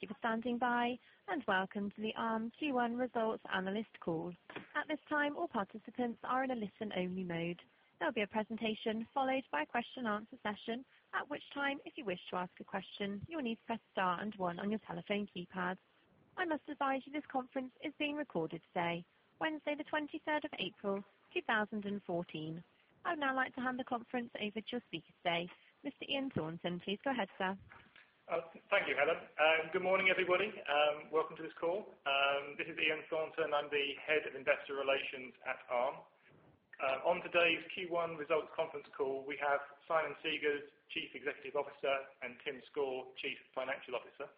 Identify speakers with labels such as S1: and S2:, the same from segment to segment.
S1: Thank you for standing by. Welcome to the Arm Q1 Results Analyst Call. At this time, all participants are in a listen-only mode. There'll be a presentation followed by a question answer session, at which time, if you wish to ask a question, you will need to press Star and One on your telephone keypad. I must advise you this conference is being recorded today, Wednesday, the 23rd of April, 2014. I would now like to hand the conference over to your speaker today, Mr. Ian Thornton. Please go ahead, sir.
S2: Thank you, Helen. Good morning, everybody. Welcome to this call. This is Ian Thornton. I'm the head of investor relations at Arm. On today's Q1 results conference call, we have Simon Segars, Chief Executive Officer, and Tim Score, Chief Financial Officer.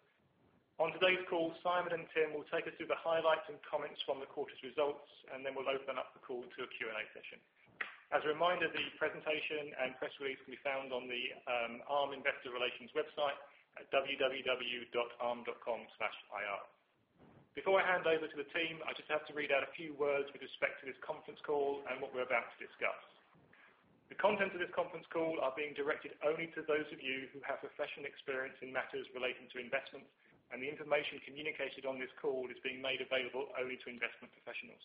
S2: On today's call, Simon and Tim will take us through the highlights and comments from the quarter's results, and then we'll open up the call to a Q&A session. As a reminder, the presentation and press release can be found on the Arm investor relations website at www.arm.com/ir. Before I hand over to the team, I just have to read out a few words with respect to this conference call and what we're about to discuss. The content of this conference call are being directed only to those of you who have professional experience in matters relating to investment, and the information communicated on this call is being made available only to investment professionals.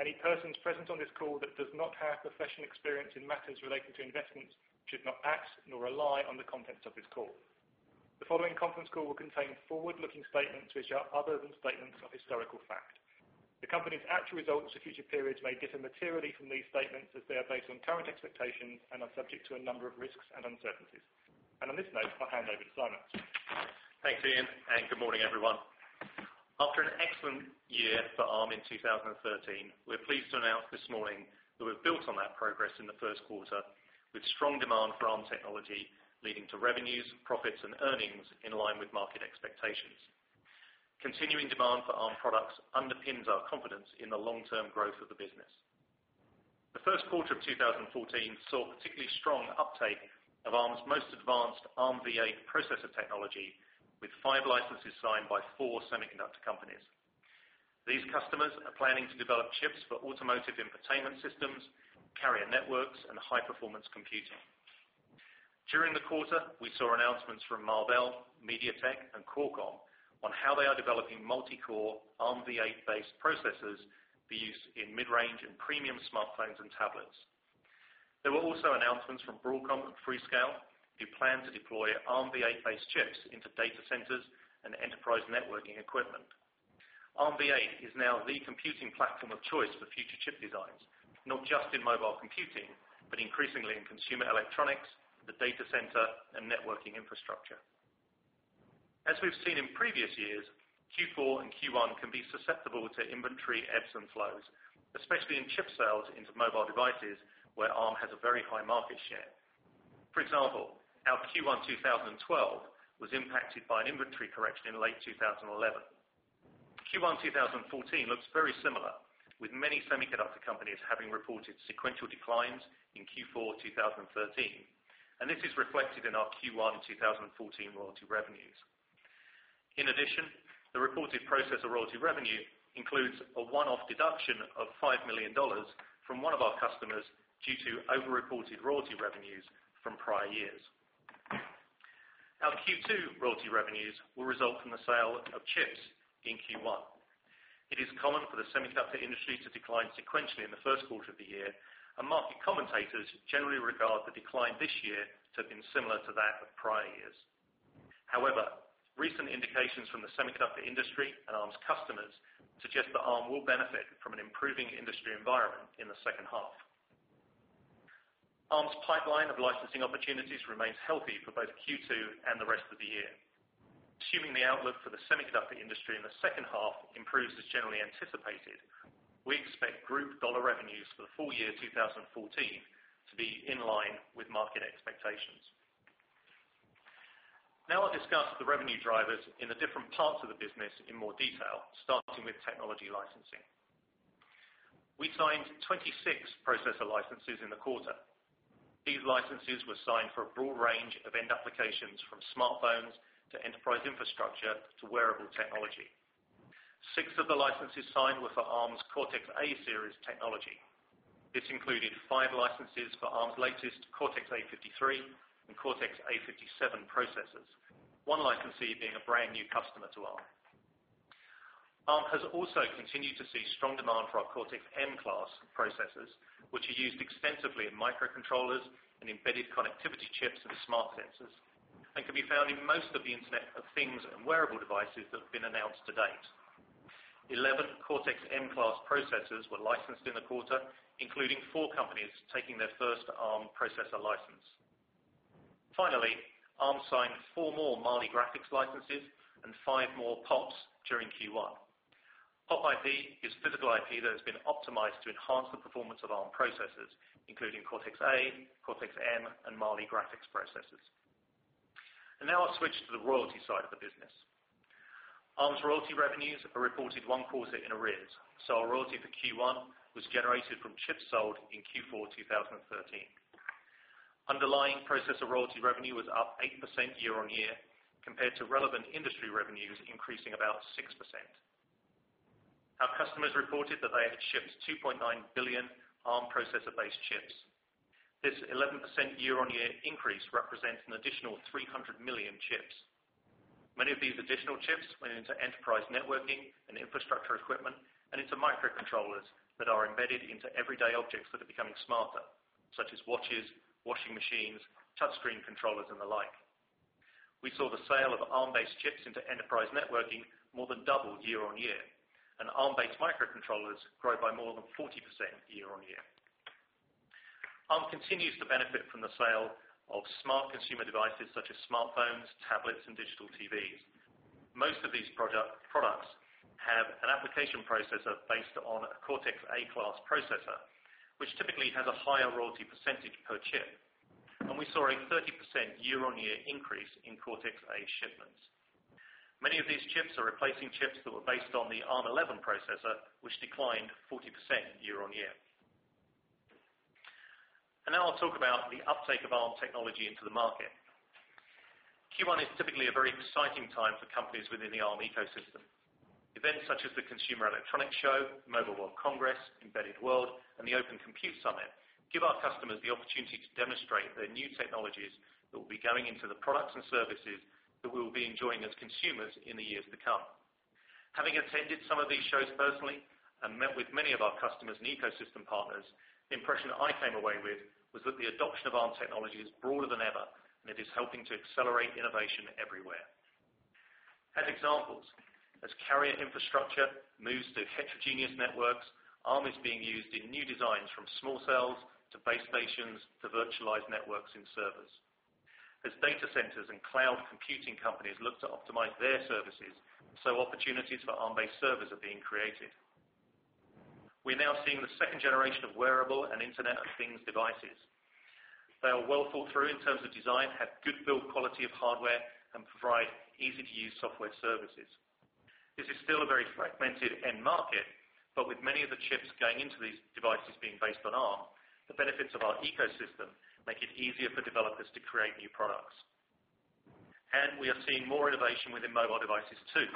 S2: Any persons present on this call that does not have professional experience in matters relating to investments should not act nor rely on the contents of this call. The following conference call will contain forward-looking statements which are other than statements of historical fact. The company's actual results for future periods may differ materially from these statements as they are based on current expectations and are subject to a number of risks and uncertainties. On this note, I'll hand over to Simon.
S3: Thanks, Ian. Good morning, everyone. After an excellent year for Arm in 2013, we're pleased to announce this morning that we've built on that progress in the first quarter with strong demand for Arm technology, leading to revenues, profits, and earnings in line with market expectations. Continuing demand for Arm products underpins our confidence in the long-term growth of the business. The first quarter of 2014 saw particularly strong uptake of Arm's most advanced ARMv8 processor technology with five licenses signed by four semiconductor companies. These customers are planning to develop chips for automotive infotainment systems, carrier networks, and high-performance computing. During the quarter, we saw announcements from Marvell, MediaTek, and Qualcomm on how they are developing multi-core ARMv8-based processors for use in mid-range and premium smartphones and tablets. There were also announcements from Broadcom and Freescale, who plan to deploy ARMv8-based chips into data centers and enterprise networking equipment. ARMv8 is now the computing platform of choice for future chip designs, not just in mobile computing, but increasingly in consumer electronics, the data center, and networking infrastructure. As we've seen in previous years, Q4 and Q1 can be susceptible to inventory ebbs and flows, especially in chip sales into mobile devices where Arm has a very high market share. For example, our Q1 2012 was impacted by an inventory correction in late 2011. Q1 2014 looks very similar, with many semiconductor companies having reported sequential declines in Q4 2013, and this is reflected in our Q1 2014 royalty revenues. In addition, the reported processor royalty revenue includes a one-off deduction of $5 million from one of our customers due to over-reported royalty revenues from prior years. Our Q2 royalty revenues will result from the sale of chips in Q1. It is common for the semiconductor industry to decline sequentially in the first quarter of the year, and market commentators generally regard the decline this year to have been similar to that of prior years. However, recent indications from the semiconductor industry and Arm's customers suggest that Arm will benefit from an improving industry environment in the second half. Arm's pipeline of licensing opportunities remains healthy for both Q2 and the rest of the year. Assuming the outlook for the semiconductor industry in the second half improves as generally anticipated, we expect group dollar revenues for the full year 2014 to be in line with market expectations. Now I'll discuss the revenue drivers in the different parts of the business in more detail, starting with technology licensing. We signed 26 processor licenses in the quarter. These licenses were signed for a broad range of end applications from smartphones to enterprise infrastructure to wearable technology. Six of the licenses signed were for Arm's Cortex-A technology. This included five licenses for Arm's latest Cortex-A53 and Cortex-A57 processors, one licensee being a brand-new customer to Arm. Arm has also continued to see strong demand for our Cortex-M processors, which are used extensively in microcontrollers and embedded connectivity chips and smart sensors and can be found in most of the Internet of Things and wearable devices that have been announced to date. Eleven Cortex-M processors were licensed in the quarter, including four companies taking their first Arm processor license. Finally, Arm signed four more Mali licenses and five more POPs during Q1. POP IP is physical IP that has been optimized to enhance the performance of Arm processors, including Cortex-A, Cortex-M, and Mali processors. Now I'll switch to the royalty side of the business. Arm's royalty revenues are reported one quarter in arrears, so our royalty for Q1 was generated from chips sold in Q4 2013. Underlying processor royalty revenue was up 8% year-on-year compared to relevant industry revenues increasing about 6%. Our customers reported that they had shipped 2.9 billion Arm processor-based chips. This 11% year-on-year increase represents an additional 300 million chips. Many of these additional chips went into enterprise networking and infrastructure equipment, and into microcontrollers that are embedded into everyday objects that are becoming smarter, such as watches, washing machines, touchscreen controllers, and the like. We saw the sale of Arm-based chips into enterprise networking more than double year-on-year, Arm-based microcontrollers grow by more than 40% year-on-year. Arm continues to benefit from the sale of smart consumer devices such as smartphones, tablets, and digital TVs. Most of these products have an application processor based on a Cortex-A class processor, which typically has a higher royalty % per chip. We saw a 30% year-on-year increase in Cortex-A shipments. Many of these chips are replacing chips that were based on the ARM11 processor, which declined 40% year-on-year. Now I'll talk about the uptake of Arm technology into the market. Q1 is typically a very exciting time for companies within the Arm ecosystem. Events such as the Consumer Electronics Show, Mobile World Congress, embedded world, and the Open Compute Summit give our customers the opportunity to demonstrate their new technologies that will be going into the products and services that we will be enjoying as consumers in the years to come. Having attended some of these shows personally, met with many of our customers and ecosystem partners, the impression I came away with was that the adoption of Arm technology is broader than ever, it is helping to accelerate innovation everywhere. As examples, as carrier infrastructure moves to heterogeneous networks, Arm is being used in new designs from small cells, to base stations, to virtualized networks and servers. As data centers and cloud computing companies look to optimize their services, opportunities for Arm-based servers are being created. We're now seeing the second generation of wearable and Internet of Things devices. They are well thought through in terms of design, have good build quality of hardware, provide easy-to-use software services. This is still a very fragmented end market, but with many of the chips going into these devices being based on Arm, the benefits of our ecosystem make it easier for developers to create new products. We are seeing more innovation within mobile devices, too.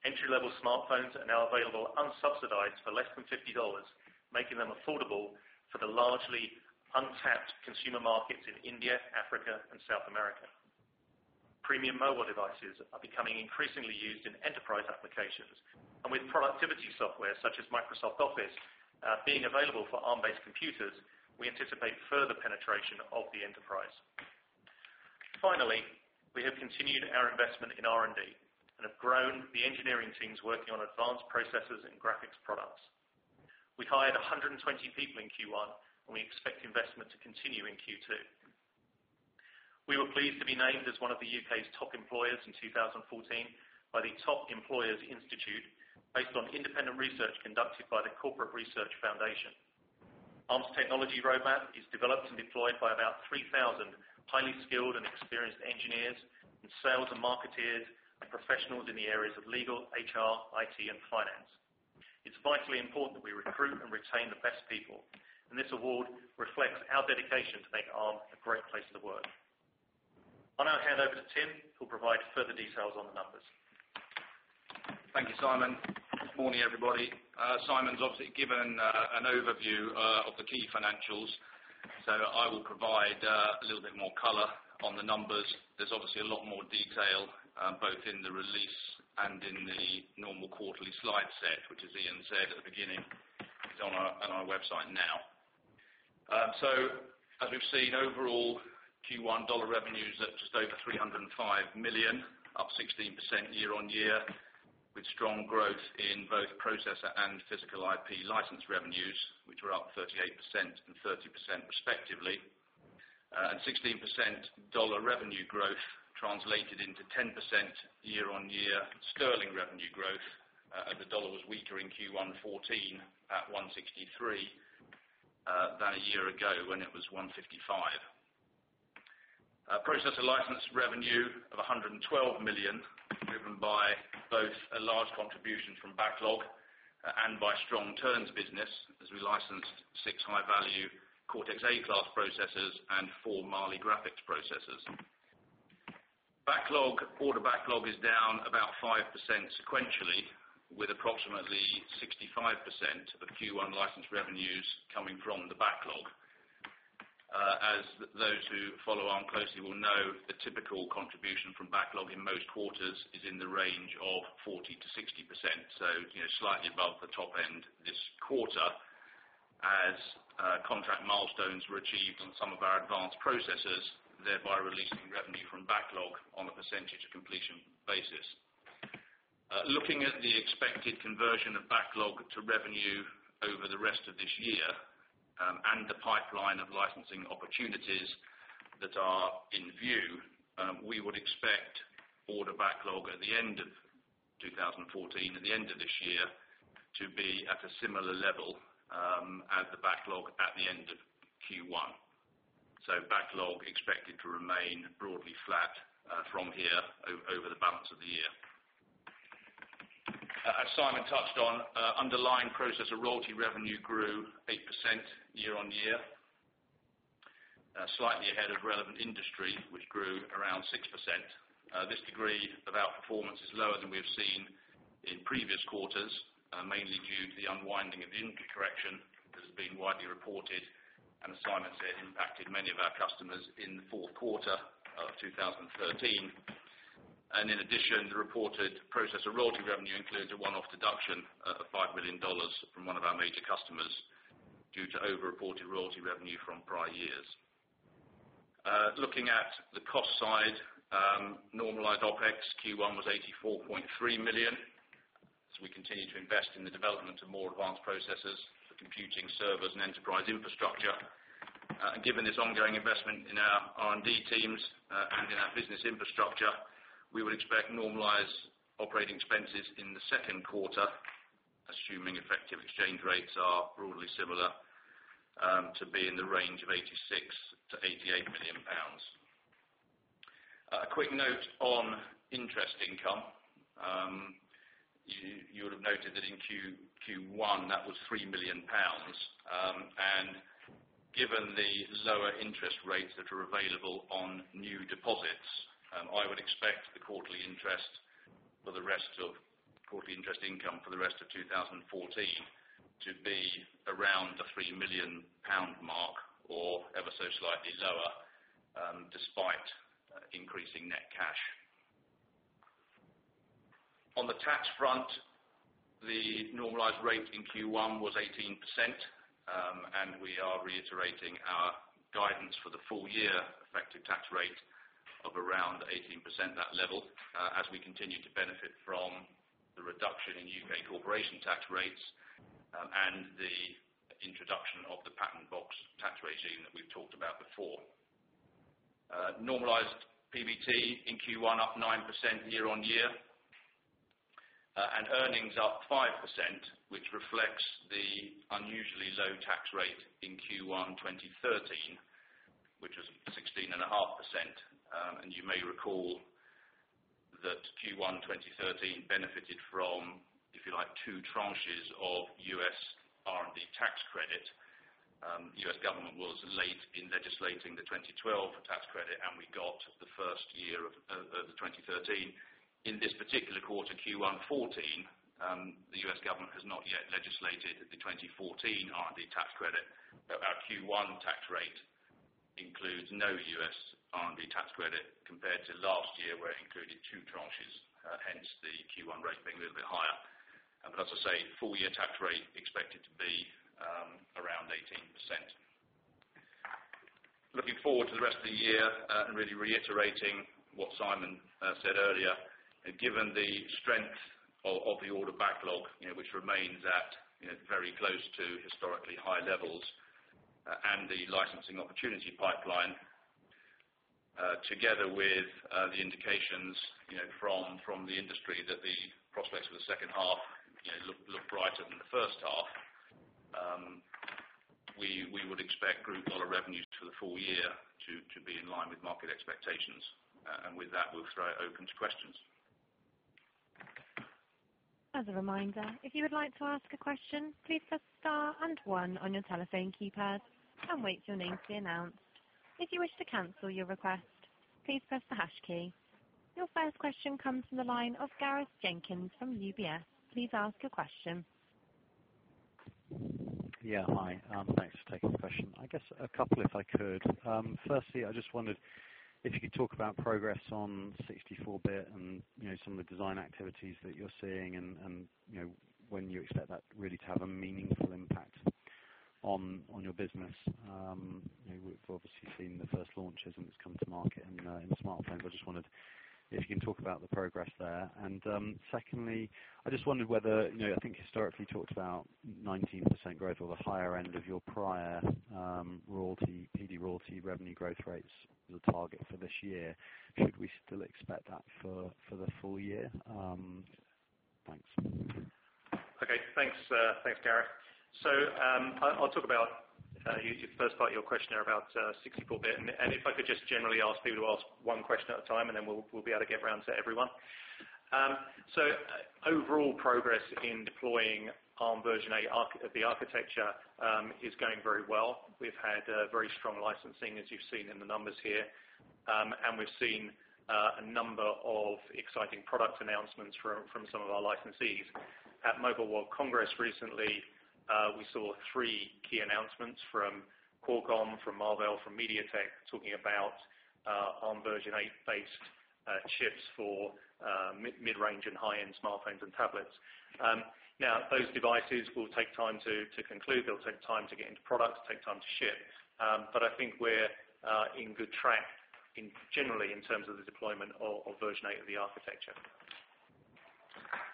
S3: Entry-level smartphones are now available unsubsidized for less than GBP 50, making them affordable for the largely untapped consumer markets in India, Africa, and South America. Premium mobile devices are becoming increasingly used in enterprise applications. With productivity software such as Microsoft Office being available for Arm-based computers, we anticipate further penetration of the enterprise. Finally, we have continued our investment in R&D and have grown the engineering teams working on advanced processors and graphics products. We hired 120 people in Q1, we expect investment to continue in Q2. We were pleased to be named as one of the U.K.'s top employers in 2014 by the Top Employers Institute, based on independent research conducted by the Corporate Research Foundation. Arm's technology roadmap is developed and deployed by about 3,000 highly skilled and experienced engineers, and sales and marketeers, and professionals in the areas of legal, HR, IT, and finance. It's vitally important that we recruit and retain the best people, this award reflects our dedication to make Arm a great place to work. I now hand over to Tim, who'll provide further details on the numbers.
S4: Thank you, Simon. Good morning, everybody. Simon's obviously given an overview of the key financials. I will provide a little bit more color on the numbers. There's obviously a lot more detail both in the release and in the normal quarterly slide set, which as Ian said at the beginning, is on our website now. As we've seen overall Q1 dollar revenues at just over $305 million, up 16% year-over-year, with strong growth in both processor and physical IP license revenues, which were up 38% and 30%, respectively. 16% dollar revenue growth translated into 10% year-over-year sterling revenue growth, as the dollar was weaker in Q1 2014 at $1.63 than a year ago when it was $1.55. Processor license revenue of 112 million, driven by both a large contribution from backlog and by strong terms business as we licensed 6 high-value Cortex-A class processors and 4 Mali graphics processors. Order backlog is down about 5% sequentially, with approximately 65% of Q1 license revenues coming from the backlog. As those who follow Arm closely will know, the typical contribution from backlog in most quarters is in the range of 40%-60%. Slightly above the top end this quarter as contract milestones were achieved on some of our advanced processors, thereby releasing revenue from backlog on a percentage of completion basis. Looking at the expected conversion of backlog to revenue over the rest of this year, and the pipeline of licensing opportunities that are in view, we would expect order backlog at the end of 2014, at the end of this year, to be at a similar level as the backlog at the end of Q1. Backlog expected to remain broadly flat from here over the balance of the year. As Simon touched on, underlying processor royalty revenue grew 8% year-over-year. Slightly ahead of relevant industry, which grew around 6%. This degree of outperformance is lower than we have seen in previous quarters, mainly due to the unwinding of the inter correction that has been widely reported, and as Simon said, impacted many of our customers in the fourth quarter of 2013. In addition, the reported processor royalty revenue includes a one-off deduction of $5 million from one of our major customers due to over-reported royalty revenue from prior years. Looking at the cost side, normalized OPEX Q1 was 84.3 million, we continue to invest in the development of more advanced processors for computing servers and enterprise infrastructure. Given this ongoing investment in our R&D teams and in our business infrastructure, we would expect normalized operating expenses in the second quarter, assuming effective exchange rates are broadly similar, to be in the range of 86 million-88 million pounds. A quick note on interest income. You would have noted that in Q1, that was 3 million pounds. Given the lower interest rates that are available on new deposits, I would expect the quarterly interest income for the rest of 2014 to be around the 3 million pound mark or ever so slightly lower, despite increasing net cash. On the tax front, the normalized rate in Q1 was 18%, we are reiterating our guidance for the full year effective tax rate of around 18%, that level, as we continue to benefit from the reduction in U.K. corporation tax rates and the introduction of the Patent Box tax regime that we've talked about before. Normalized PBT in Q1 up 9% year-on-year. Earnings up 5%, which reflects the unusually low tax rate in Q1 2013, which was 16.5%. You may recall that Q1 2013 benefited from, if you like, two tranches of U.S. R&D tax credit. U.S. government was late in legislating the 2012 tax credit, we got the first year of the 2013. In this particular quarter, Q1 2014, the U.S. government has not yet legislated the 2014 R&D tax credit. Our Q1 tax rate includes no U.S. R&D tax credit compared to last year, where it included two tranches, hence the Q1 rate being a little bit higher. As I say, full-year tax rate expected to be around 18%. Looking forward to the rest of the year really reiterating what Simon said earlier. Given the strength of the order backlog which remains at very close to historically high levels, and the licensing opportunity pipeline, together with the indications from the industry that the prospects for the second half look brighter than the first half, we would expect group USD revenues for the full year to be in line with market expectations. With that, we'll throw open to questions.
S1: As a reminder, if you would like to ask a question, please press star 1 on your telephone keypad and wait for your name to be announced. If you wish to cancel your request, please press the hash key. Your first question comes from the line of Gareth Jenkins from UBS. Please ask your question.
S5: Yeah. Hi. Thanks for taking the question. I guess a couple if I could. Firstly, I just wondered if you could talk about progress on 64-bit and some of the design activities that you're seeing and when you expect that really to have a meaningful impact on your business. We've obviously seen the first launches, and it's come to market in smartphones. I just wondered if you can talk about the progress there. Secondly, I just wondered whether, I think historically you talked about 19% growth or the higher end of your prior PD royalty revenue growth rates as a target for this year. Should we still expect that for the full year? Thanks.
S3: Okay. Thanks, Gareth. I'll talk about your first part of your question there about 64-bit. If I could just generally ask people to ask one question at a time, then we'll be able to get around to everyone. Overall progress in deploying Arm version 8 of the architecture is going very well. We've had very strong licensing, as you've seen in the numbers here. We've seen a number of exciting product announcements from some of our licensees. At Mobile World Congress recently, we saw three key announcements from Qualcomm, from Marvell, from MediaTek, talking about Arm version 8 based chips for mid-range and high-end smartphones and tablets. Now, those devices will take time to conclude. They'll take time to get into product, take time to ship. I think we're in good track generally in terms of the deployment of version 8 of the architecture.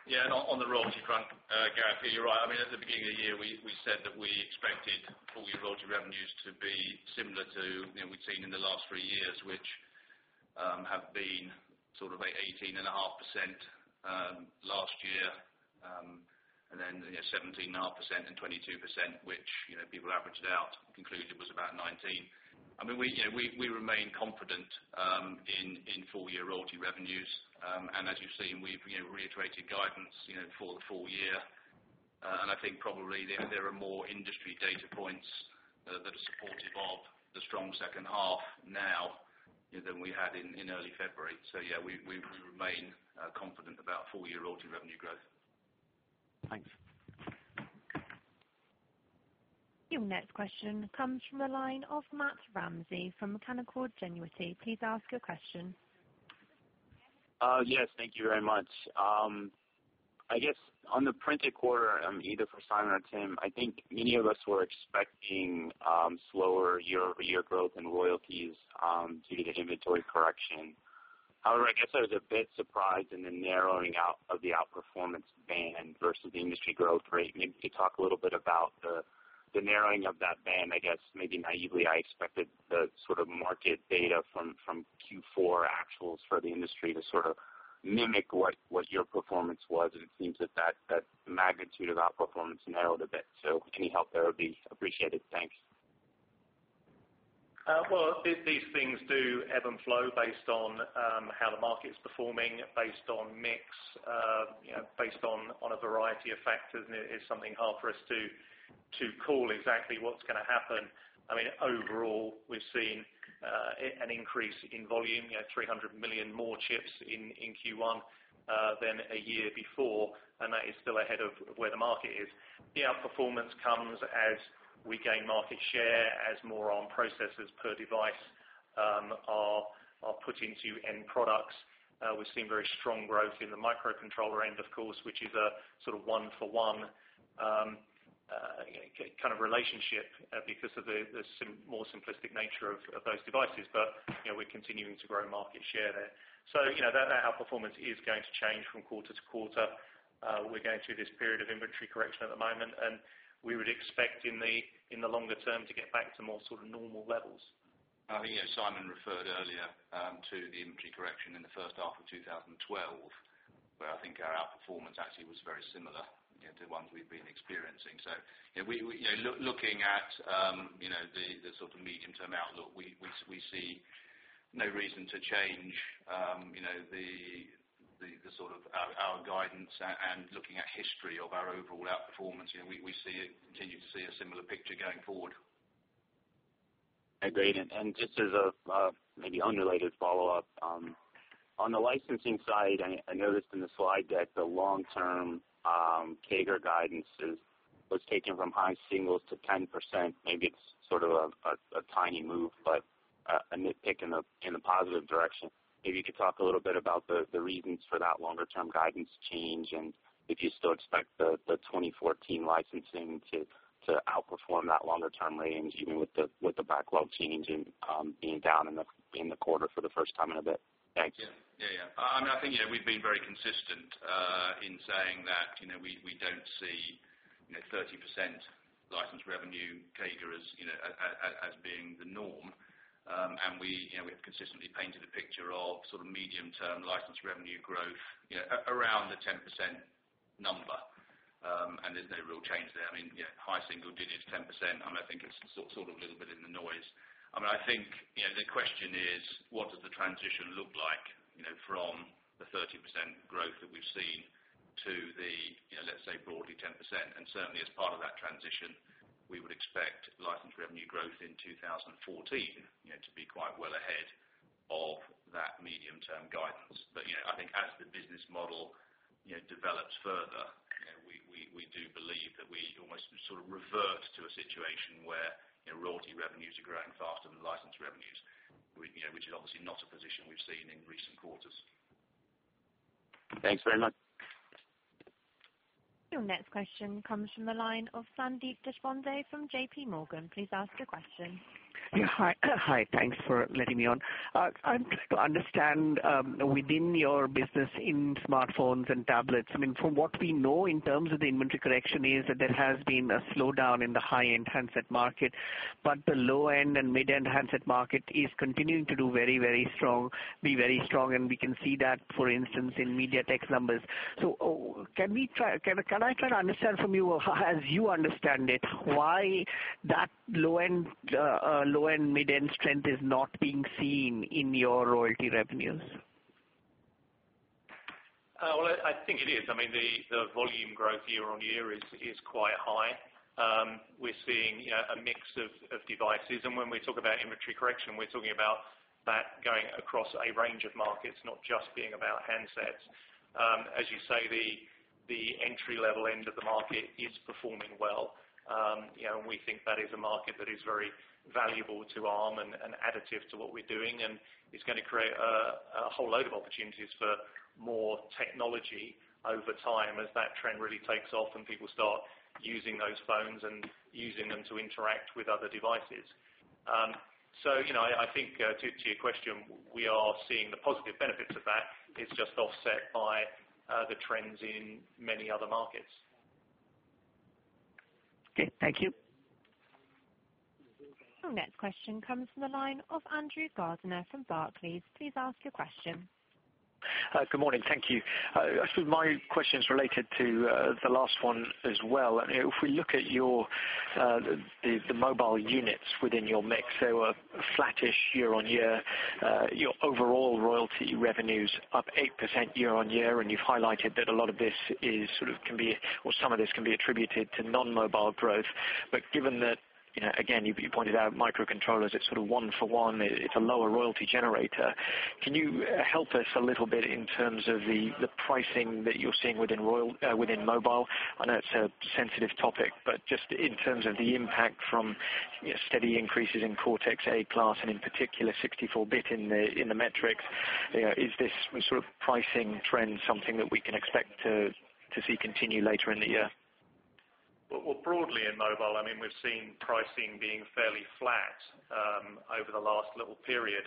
S4: Yeah. On the royalty front, Gareth, you're right. At the beginning of the year, we said that we expected full year royalty revenues to be similar to we've seen in the last three years, which have been 18.5% last year, then 17.5% and 22%, which people averaged out and concluded was about 19. We remain confident In full year royalty revenues. As you've seen, we've reiterated guidance for the full year. I think probably there are more industry data points that are supportive of the strong second half now than we had in early February. Yeah, we remain confident about full year royalty revenue growth. Thanks.
S1: Your next question comes from the line of Matt Ramsay from Canaccord Genuity. Please ask your question.
S6: Yes, thank you very much. I guess on the printed quarter, either for Simon or Tim, I think many of us were expecting slower year-over-year growth in royalties due to the inventory correction. I guess I was a bit surprised in the narrowing out of the outperformance band versus the industry growth rate. Maybe talk a little bit about the narrowing of that band. I guess maybe naively, I expected the sort of market data from Q4 actuals for the industry to sort of mimic what your performance was, and it seems that magnitude of outperformance narrowed a bit. Any help there would be appreciated. Thanks.
S3: Well, these things do ebb and flow based on how the market's performing based on mix, based on a variety of factors, and it is something hard for us to call exactly what's going to happen. I mean, overall, we've seen an increase in volume, 300 million more chips in Q1 than a year before, and that is still ahead of where the market is. The outperformance comes as we gain market share, as more Arm processors per device are put into end products. We've seen very strong growth in the microcontroller end, of course, which is a sort of one for one kind of relationship because of the more simplistic nature of those devices. We're continuing to grow market share there. That outperformance is going to change from quarter-to-quarter. We're going through this period of inventory correction at the moment, we would expect in the longer term to get back to more sort of normal levels.
S4: I think Simon referred earlier to the inventory correction in the first half of 2012, where I think our outperformance actually was very similar to ones we've been experiencing. Looking at the sort of medium-term outlook, we see no reason to change our guidance, and looking at history of our overall outperformance, we continue to see a similar picture going forward.
S6: Great. Just as a maybe unrelated follow-up. On the licensing side, I noticed in the slide deck the long-term CAGR guidance was taken from high singles to 10%. Maybe it's sort of a tiny move, but a nitpick in a positive direction. Maybe you could talk a little bit about the reasons for that longer-term guidance change and if you still expect the 2014 licensing to outperform that longer-term range, even with the backlog change and being down in the quarter for the first time in a bit. Thanks.
S4: Yeah. I think we've been very consistent in saying that we don't see 30% license revenue CAGR as being the norm. We have consistently painted a picture of sort of medium-term license revenue growth around the 10% number. There's no real change there. I mean, high single digits, 10%, I think it's sort of a little bit in the noise. I think the question is, what does the transition look like from the 30% growth that we've seen to the, let's say, broadly 10%? Certainly as part of that transition, we would expect license revenue growth in 2014 to be quite well ahead of that medium-term guidance. I think as the business model develops further, we do believe that we almost sort of revert to a situation where royalty revenues are growing faster than license revenues, which is obviously not a position we've seen in recent quarters.
S6: Thanks very much.
S1: Your next question comes from the line of Sandeep Deshpande from J.P. Morgan. Please ask your question.
S7: Yeah. Hi. Thanks for letting me on. I'm trying to understand within your business in smartphones and tablets, I mean, from what we know in terms of the inventory correction is that there has been a slowdown in the high-end handset market, but the low-end and mid-end handset market is continuing to do very, very strong, be very strong, and we can see that, for instance, in MediaTek's numbers. Can I try to understand from you, as you understand it, why that low-end, mid-end strength is not being seen in your royalty revenues?
S3: Well, I think it is. I mean, the volume growth year-over-year is quite high. We're seeing a mix of devices. When we talk about inventory correction, we're talking about that going across a range of markets, not just being about handsets. As you say, the entry level end of the market is performing well. We think that is a market that is very valuable to Arm and additive to what we're doing. It's going to create a whole load of opportunities for more technology over time as that trend really takes off and people start using those phones and using them to interact with other devices. I think to your question, we are seeing the positive benefits of that. It's just offset by the trends in many other markets.
S7: Okay. Thank you.
S1: Our next question comes from the line of Andrew Gardiner from Barclays. Please ask your question.
S8: Good morning. Thank you. Actually, my question is related to the last one as well. If we look at the mobile units within your mix, they were flattish year-over-year. Your overall royalty revenue's up 8% year-over-year, and you've highlighted that a lot of this, or some of this can be attributed to non-mobile growth. Given that, again, you pointed out microcontrollers, it's one for one, it's a lower royalty generator. Can you help us a little bit in terms of the pricing that you're seeing within mobile? I know it's a sensitive topic, but just in terms of the impact from steady increases in Cortex-A class and in particular 64-bit in the metrics. Is this pricing trend something that we can expect to see continue later in the year?
S3: Well, broadly in mobile, we've seen pricing being fairly flat over the last little period.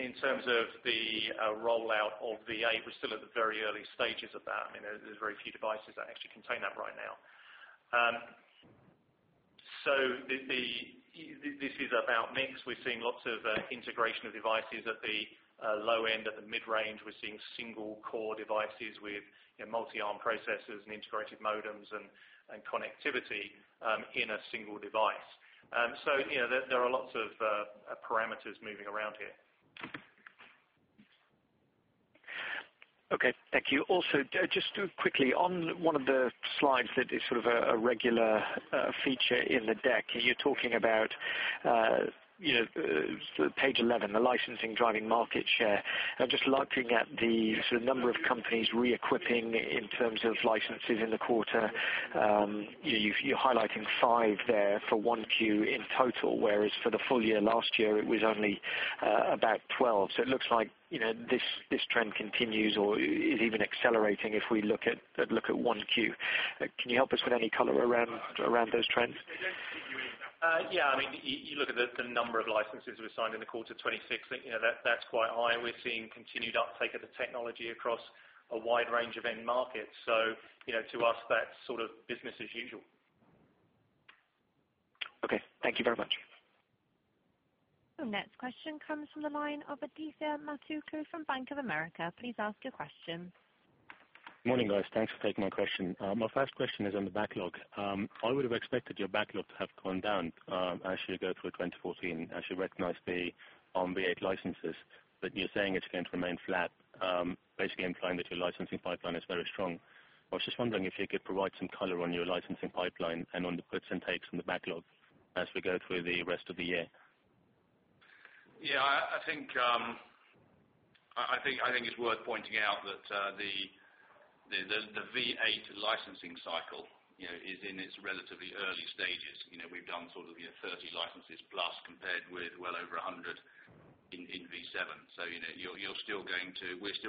S3: In terms of the rollout of the A, we're still at the very early stages of that. There's very few devices that actually contain that right now. This is about mix. We're seeing lots of integration of devices at the low end, at the mid-range. We're seeing single core devices with multi-Arm processors and integrated modems and connectivity in a single device. There are lots of parameters moving around here.
S8: Thank you. Just quickly, on one of the slides that is a regular feature in the deck. You're talking about page 11, the licensing driving market share. Just looking at the number of companies re-equipping in terms of licenses in the quarter. You're highlighting five there for one Q in total, whereas for the full year last year, it was only about 12. It looks like this trend continues or is even accelerating if we look at one Q. Can you help us with any color around those trends?
S3: They don't continue in that. You look at the number of licenses we signed in the quarter, 26. That's quite high. We're seeing continued uptake of the technology across a wide range of end markets. To us, that's business as usual.
S8: Okay. Thank you very much.
S1: Our next question comes from the line of Adithya Metto from Bank of America. Please ask your question.
S9: Morning, guys. Thanks for taking my question. My first question is on the backlog. I would have expected your backlog to have gone down as you go through 2014, as you recognize the ARMv8 licenses. You're saying it's going to remain flat, basically implying that your licensing pipeline is very strong. I was just wondering if you could provide some color on your licensing pipeline and on the puts and takes on the backlog as we go through the rest of the year.
S3: Yeah. I think it's worth pointing out that the ARMv8 licensing cycle is in its relatively early stages. We've done sort of 30 licenses plus compared with well over 100 in ARMv7. We're still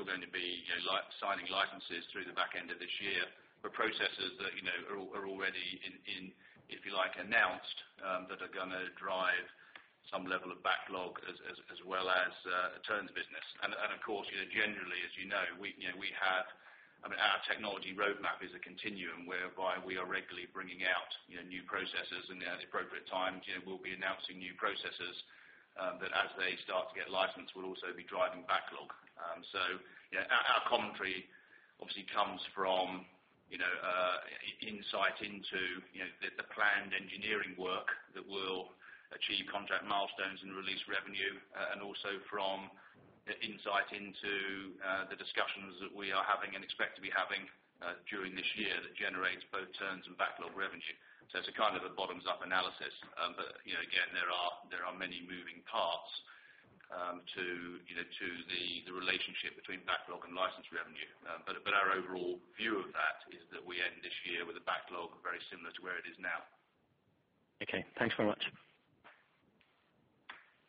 S3: going to be signing licenses through the back end of this year for processors that are already in, if you like, announced, that are going to drive some level of backlog as well as turns business. Of course, generally, as you know, our technology roadmap is a continuum whereby we are regularly bringing out new processors. At the appropriate time, we'll be announcing new processors that as they start to get licensed, will also be driving backlog. Our commentary obviously comes from insight into the planned engineering work that will achieve contract milestones and release revenue. Also from insight into the discussions that we are having and expect to be having during this year that generates both turns and backlog revenue. It's a kind of a bottoms-up analysis. Again, there are many moving parts to the relationship between backlog and license revenue. Our overall view of that is that we end this year with a backlog very similar to where it is now.
S9: Okay. Thanks very much.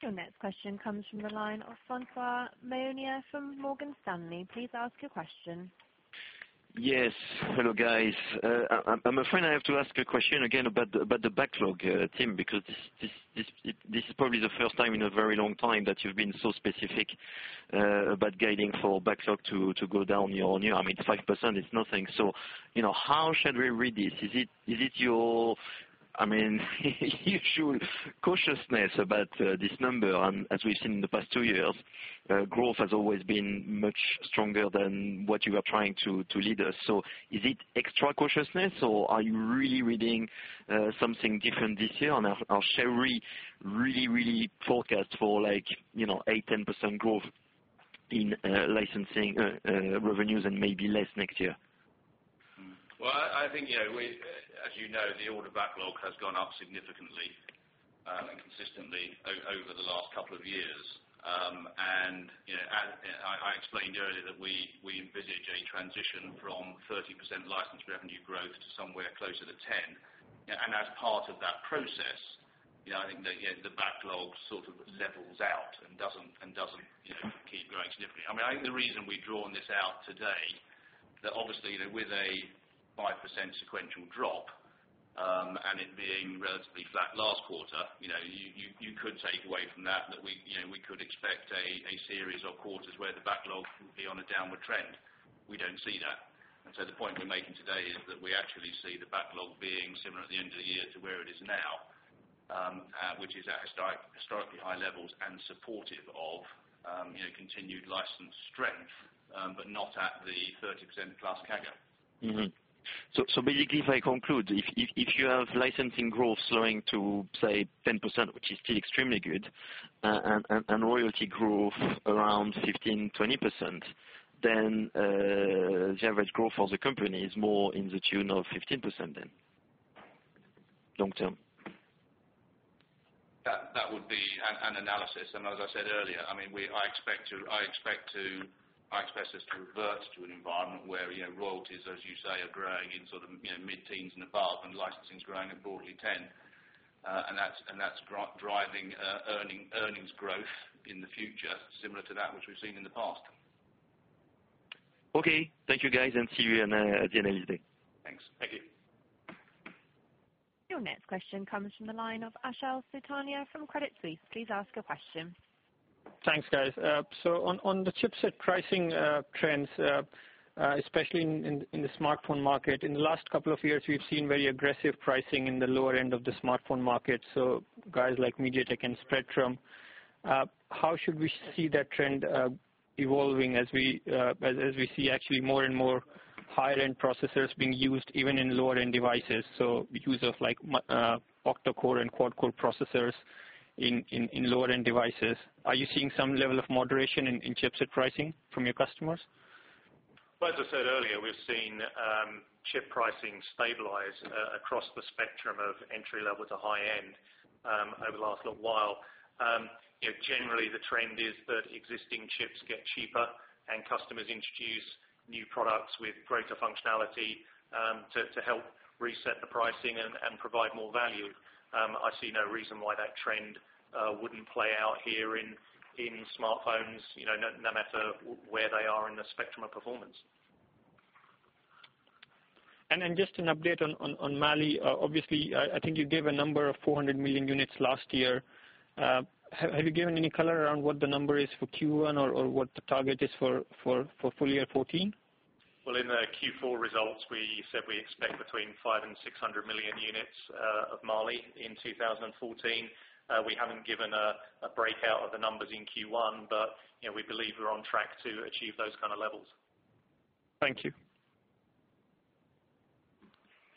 S1: Your next question comes from the line of François Meunier from Morgan Stanley. Please ask your question.
S10: Yes. Hello, guys. I'm afraid I have to ask a question again about the backlog, Tim, because this is probably the first time in a very long time that you've been so specific about guiding for backlog to go down year-on-year. I mean, 5% is nothing. How should we read this? Is it your cautiousness about this number? As we've seen in the past 2 years, growth has always been much stronger than what you are trying to lead us. Is it extra cautiousness, or are you really reading something different this year? Shall we really forecast for 8%-10% growth in licensing revenues and maybe less next year?
S4: Well, as you know, the order backlog has gone up significantly and consistently over the last couple of years. I explained earlier that we envisage a transition from 30% license revenue growth to somewhere closer to 10%. As part of that process, I think the backlog sort of levels out and doesn't keep growing significantly. I think the reason we've drawn this out today, that obviously with a 5% sequential drop and it being relatively flat last quarter, you could take away from that we could expect a series of quarters where the backlog will be on a downward trend. We don't see that. The point we're making today is that we actually see the backlog being similar at the end of the year to where it is now. Which is at historically high levels and supportive of continued license strength, but not at the 30% plus CAGR.
S10: Basically, if I conclude, if you have licensing growth slowing to, say, 10%, which is still extremely good, and royalty growth around 15%-20%, then the average growth for the company is more in the tune of 15% then, long term.
S3: That would be an analysis. As I said earlier, I expect us to revert to an environment where royalties, as you say, are growing in mid-teens and above, and licensing is growing at broadly 10%. That's driving earnings growth in the future, similar to that which we've seen in the past.
S10: Okay. Thank you, guys, see you another day. Thanks.
S11: Thank you.
S1: Your next question comes from the line of Achal Sultania from Credit Suisse. Please ask your question.
S12: Thanks, guys. On the chipset pricing trends, especially in the smartphone market, in the last couple of years, we've seen very aggressive pricing in the lower end of the smartphone market. Guys like MediaTek and Spreadtrum. How should we see that trend evolving as we see actually more and more higher-end processors being used even in lower-end devices? The use of octa-core and quad-core processors in lower-end devices. Are you seeing some level of moderation in chipset pricing from your customers?
S3: Well, as I said earlier, we've seen chip pricing stabilize across the spectrum of entry-level to high-end over the last little while. Generally, the trend is that existing chips get cheaper and customers introduce new products with greater functionality to help reset the pricing and provide more value. I see no reason why that trend wouldn't play out here in smartphones, no matter where they are in the spectrum of performance.
S12: Just an update on Mali. Obviously, I think you gave a number of 400 million units last year. Have you given any color around what the number is for Q1 or what the target is for full year 2014?
S3: Well, in the Q4 results, we said we expect between 500 and 600 million units of Mali in 2014. We haven't given a breakout of the numbers in Q1, but we believe we're on track to achieve those kind of levels.
S12: Thank you.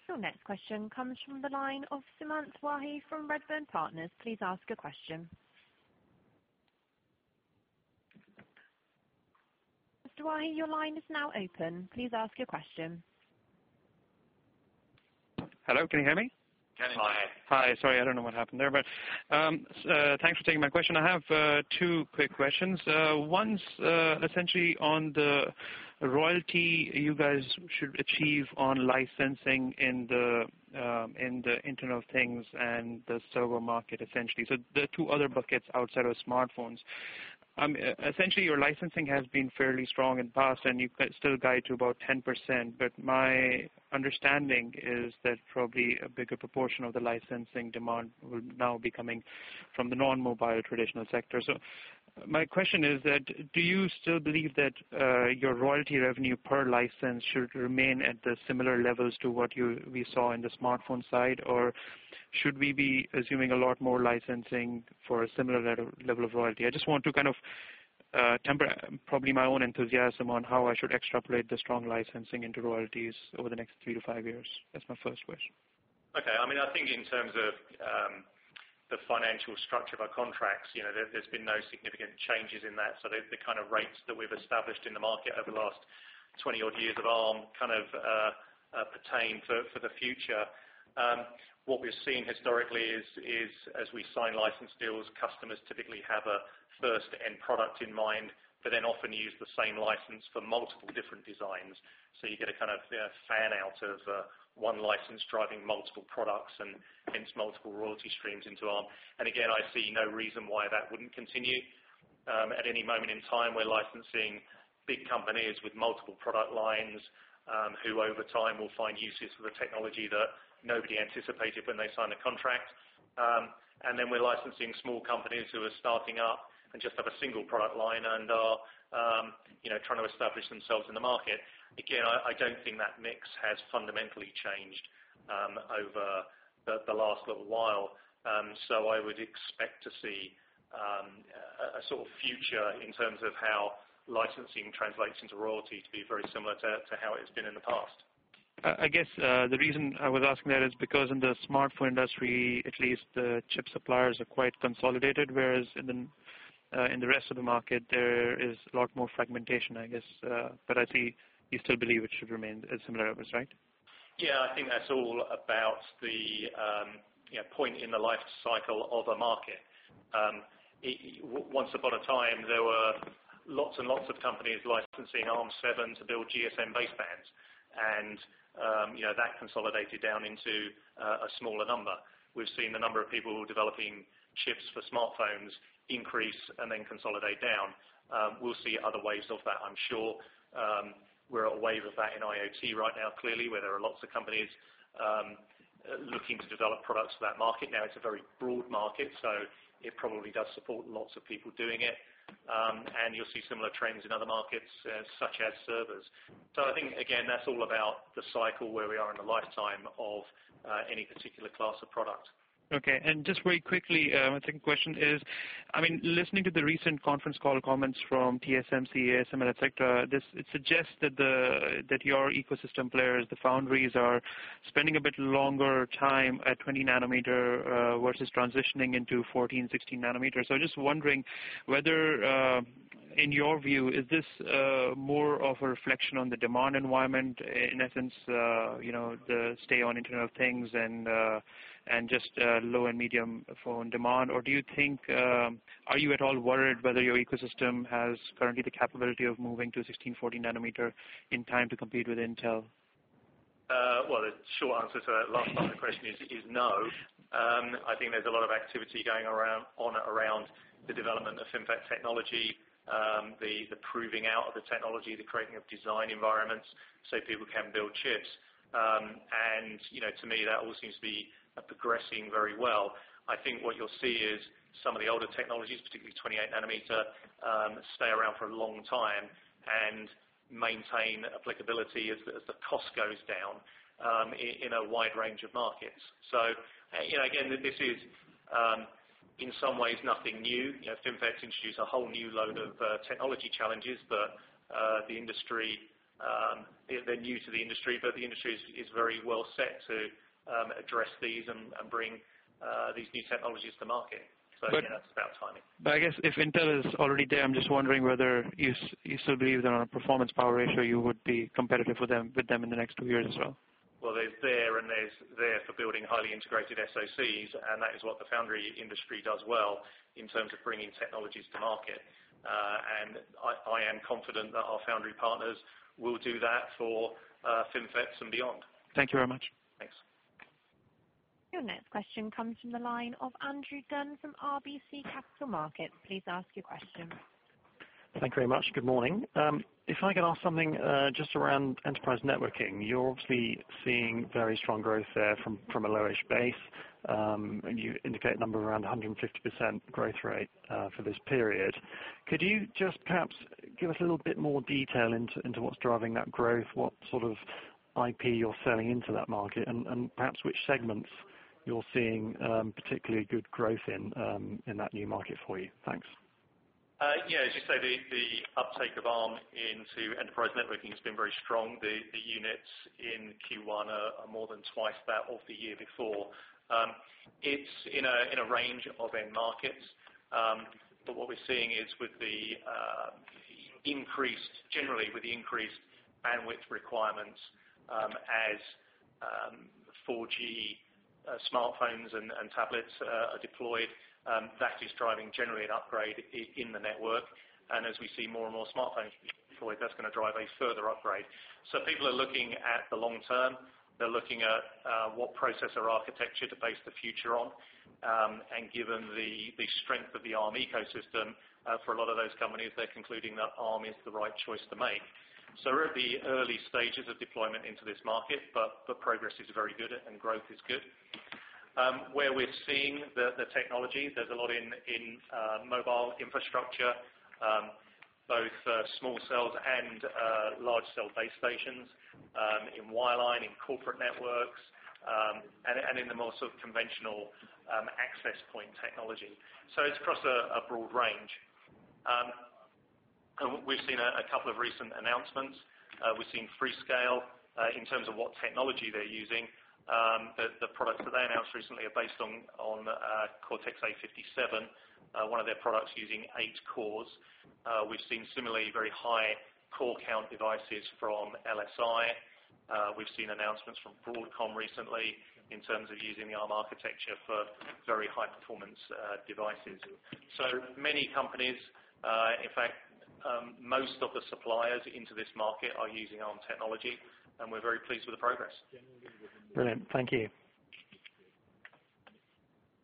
S1: Your next question comes from the line of Sumant Wahi from Redburn Partners. Please ask your question. Mr. Wahi, your line is now open. Please ask your question.
S11: Hello, can you hear me?
S3: Can indeed.
S11: Hi. Sorry, I don't know what happened there, but thanks for taking my question. I have two quick questions. One's essentially on the royalty you guys should achieve on licensing in the Internet of Things and the server market, essentially. The two other buckets outside of smartphones. Essentially, your licensing has been fairly strong in the past, and you still guide to about 10%, but my understanding is that probably a bigger proportion of the licensing demand will now be coming from the non-mobile traditional sector. My question is that do you still believe that your royalty revenue per license should remain at the similar levels to what we saw in the smartphone side? Or should we be assuming a lot more licensing for a similar level of royalty? I just want to kind of temper probably my own enthusiasm on how I should extrapolate the strong licensing into royalties over the next three to five years. That's my first question.
S3: Okay. I think in terms of the financial structure of our contracts, there's been no significant changes in that. The kind of rates that we've established in the market over the last 20 odd years at Arm kind of pertain for the future. What we've seen historically is as we sign license deals, customers typically have a first end product in mind, but then often use the same license for multiple different designs. You get a kind of fan out of one license driving multiple products and hence multiple royalty streams into Arm. Again, I see no reason why that wouldn't continue. At any moment in time, we're licensing big companies with multiple product lines who over time will find uses for the technology that nobody anticipated when they signed a contract. We're licensing small companies who are starting up and just have a single product line and are trying to establish themselves in the market. I don't think that mix has fundamentally changed over the last little while. I would expect to see a sort of future in terms of how licensing translates into royalty to be very similar to how it's been in the past.
S11: I guess the reason I was asking that is because in the smartphone industry, at least the chip suppliers are quite consolidated, whereas in the rest of the market, there is a lot more fragmentation, I guess. I see you still believe it should remain at similar levels, right?
S3: Yeah, I think that's all about the point in the life cycle of a market. Once upon a time, there were lots and lots of companies licensing ARM7 to build GSM basebands, and that consolidated down into a smaller number. We've seen the number of people who are developing chips for smartphones increase and then consolidate down. We'll see other waves of that, I'm sure. We're at a wave of that in IoT right now, clearly, where there are lots of companies looking to develop products for that market. Now it's a very broad market, so it probably does support lots of people doing it. You'll see similar trends in other markets, such as servers. I think, again, that's all about the cycle where we are in the lifetime of any particular class of product.
S11: Okay. Just very quickly, my second question is, listening to the recent conference call comments from TSMC, ASML, et cetera, it suggests that your ecosystem players, the foundries are spending a bit longer time at 20 nanometer versus transitioning into 14, 16 nanometers. I'm just wondering, in your view, is this more of a reflection on the demand environment, in essence, the stay on Internet of Things and just low and medium phone demand? Or are you at all worried whether your ecosystem has currently the capability of moving to 16/14 nanometer in time to compete with Intel?
S3: The short answer to that last part of the question is no. I think there's a lot of activity going on around the development of FinFET technology, the proving out of the technology, the creating of design environments so people can build chips. To me, that all seems to be progressing very well. I think what you'll see is some of the older technologies, particularly 28 nanometer, stay around for a long time and maintain applicability as the cost goes down in a wide range of markets. Again, this is in some ways nothing new. FinFETs introduce a whole new load of technology challenges. They're new to the industry, but the industry is very well set to address these and bring these new technologies to market. Again, that's about timing.
S11: I guess if Intel is already there, I'm just wondering whether you still believe that on a performance power ratio, you would be competitive with them in the next two years as well.
S3: They're there for building highly integrated SOCs, and that is what the foundry industry does well in terms of bringing technologies to market. I am confident that our foundry partners will do that for FinFETs and beyond.
S11: Thank you very much.
S3: Thanks.
S1: Your next question comes from the line of Andrew Dunn from RBC Capital Markets. Please ask your question.
S13: Thank you very much. Good morning. If I could ask something just around enterprise networking. You're obviously seeing very strong growth there from a low-ish base, and you indicate a number around 150% growth rate for this period. Could you just perhaps give us a little bit more detail into what's driving that growth, what sort of IP you're selling into that market, and perhaps which segments you're seeing particularly good growth in in that new market for you? Thanks.
S3: Yeah, as you say, the uptake of Arm into enterprise networking has been very strong. The units in Q1 are more than twice that of the year before. It's in a range of end markets. What we're seeing is generally with the increased bandwidth requirements as 4G smartphones and tablets are deployed, that is driving generally an upgrade in the network. As we see more and more smartphones deployed, that's going to drive a further upgrade. People are looking at the long term. They're looking at what processor architecture to base the future on. Given the strength of the Arm ecosystem for a lot of those companies, they're concluding that Arm is the right choice to make. We're at the early stages of deployment into this market, but progress is very good and growth is good. Where we are seeing the technology, there's a lot in mobile infrastructure. Both small cells and large cell base stations in wireline, in corporate networks, and in the more sort of conventional access point technology. It's across a broad range. We've seen a couple of recent announcements. We've seen Freescale, in terms of what technology they're using. The products that they announced recently are based on Cortex-A57, one of their products using eight cores. We've seen similarly very high core count devices from LSI. We've seen announcements from Broadcom recently in terms of using the Arm architecture for very high-performance devices. Many companies, in fact most of the suppliers into this market are using Arm technology, and we're very pleased with the progress.
S13: Brilliant. Thank you.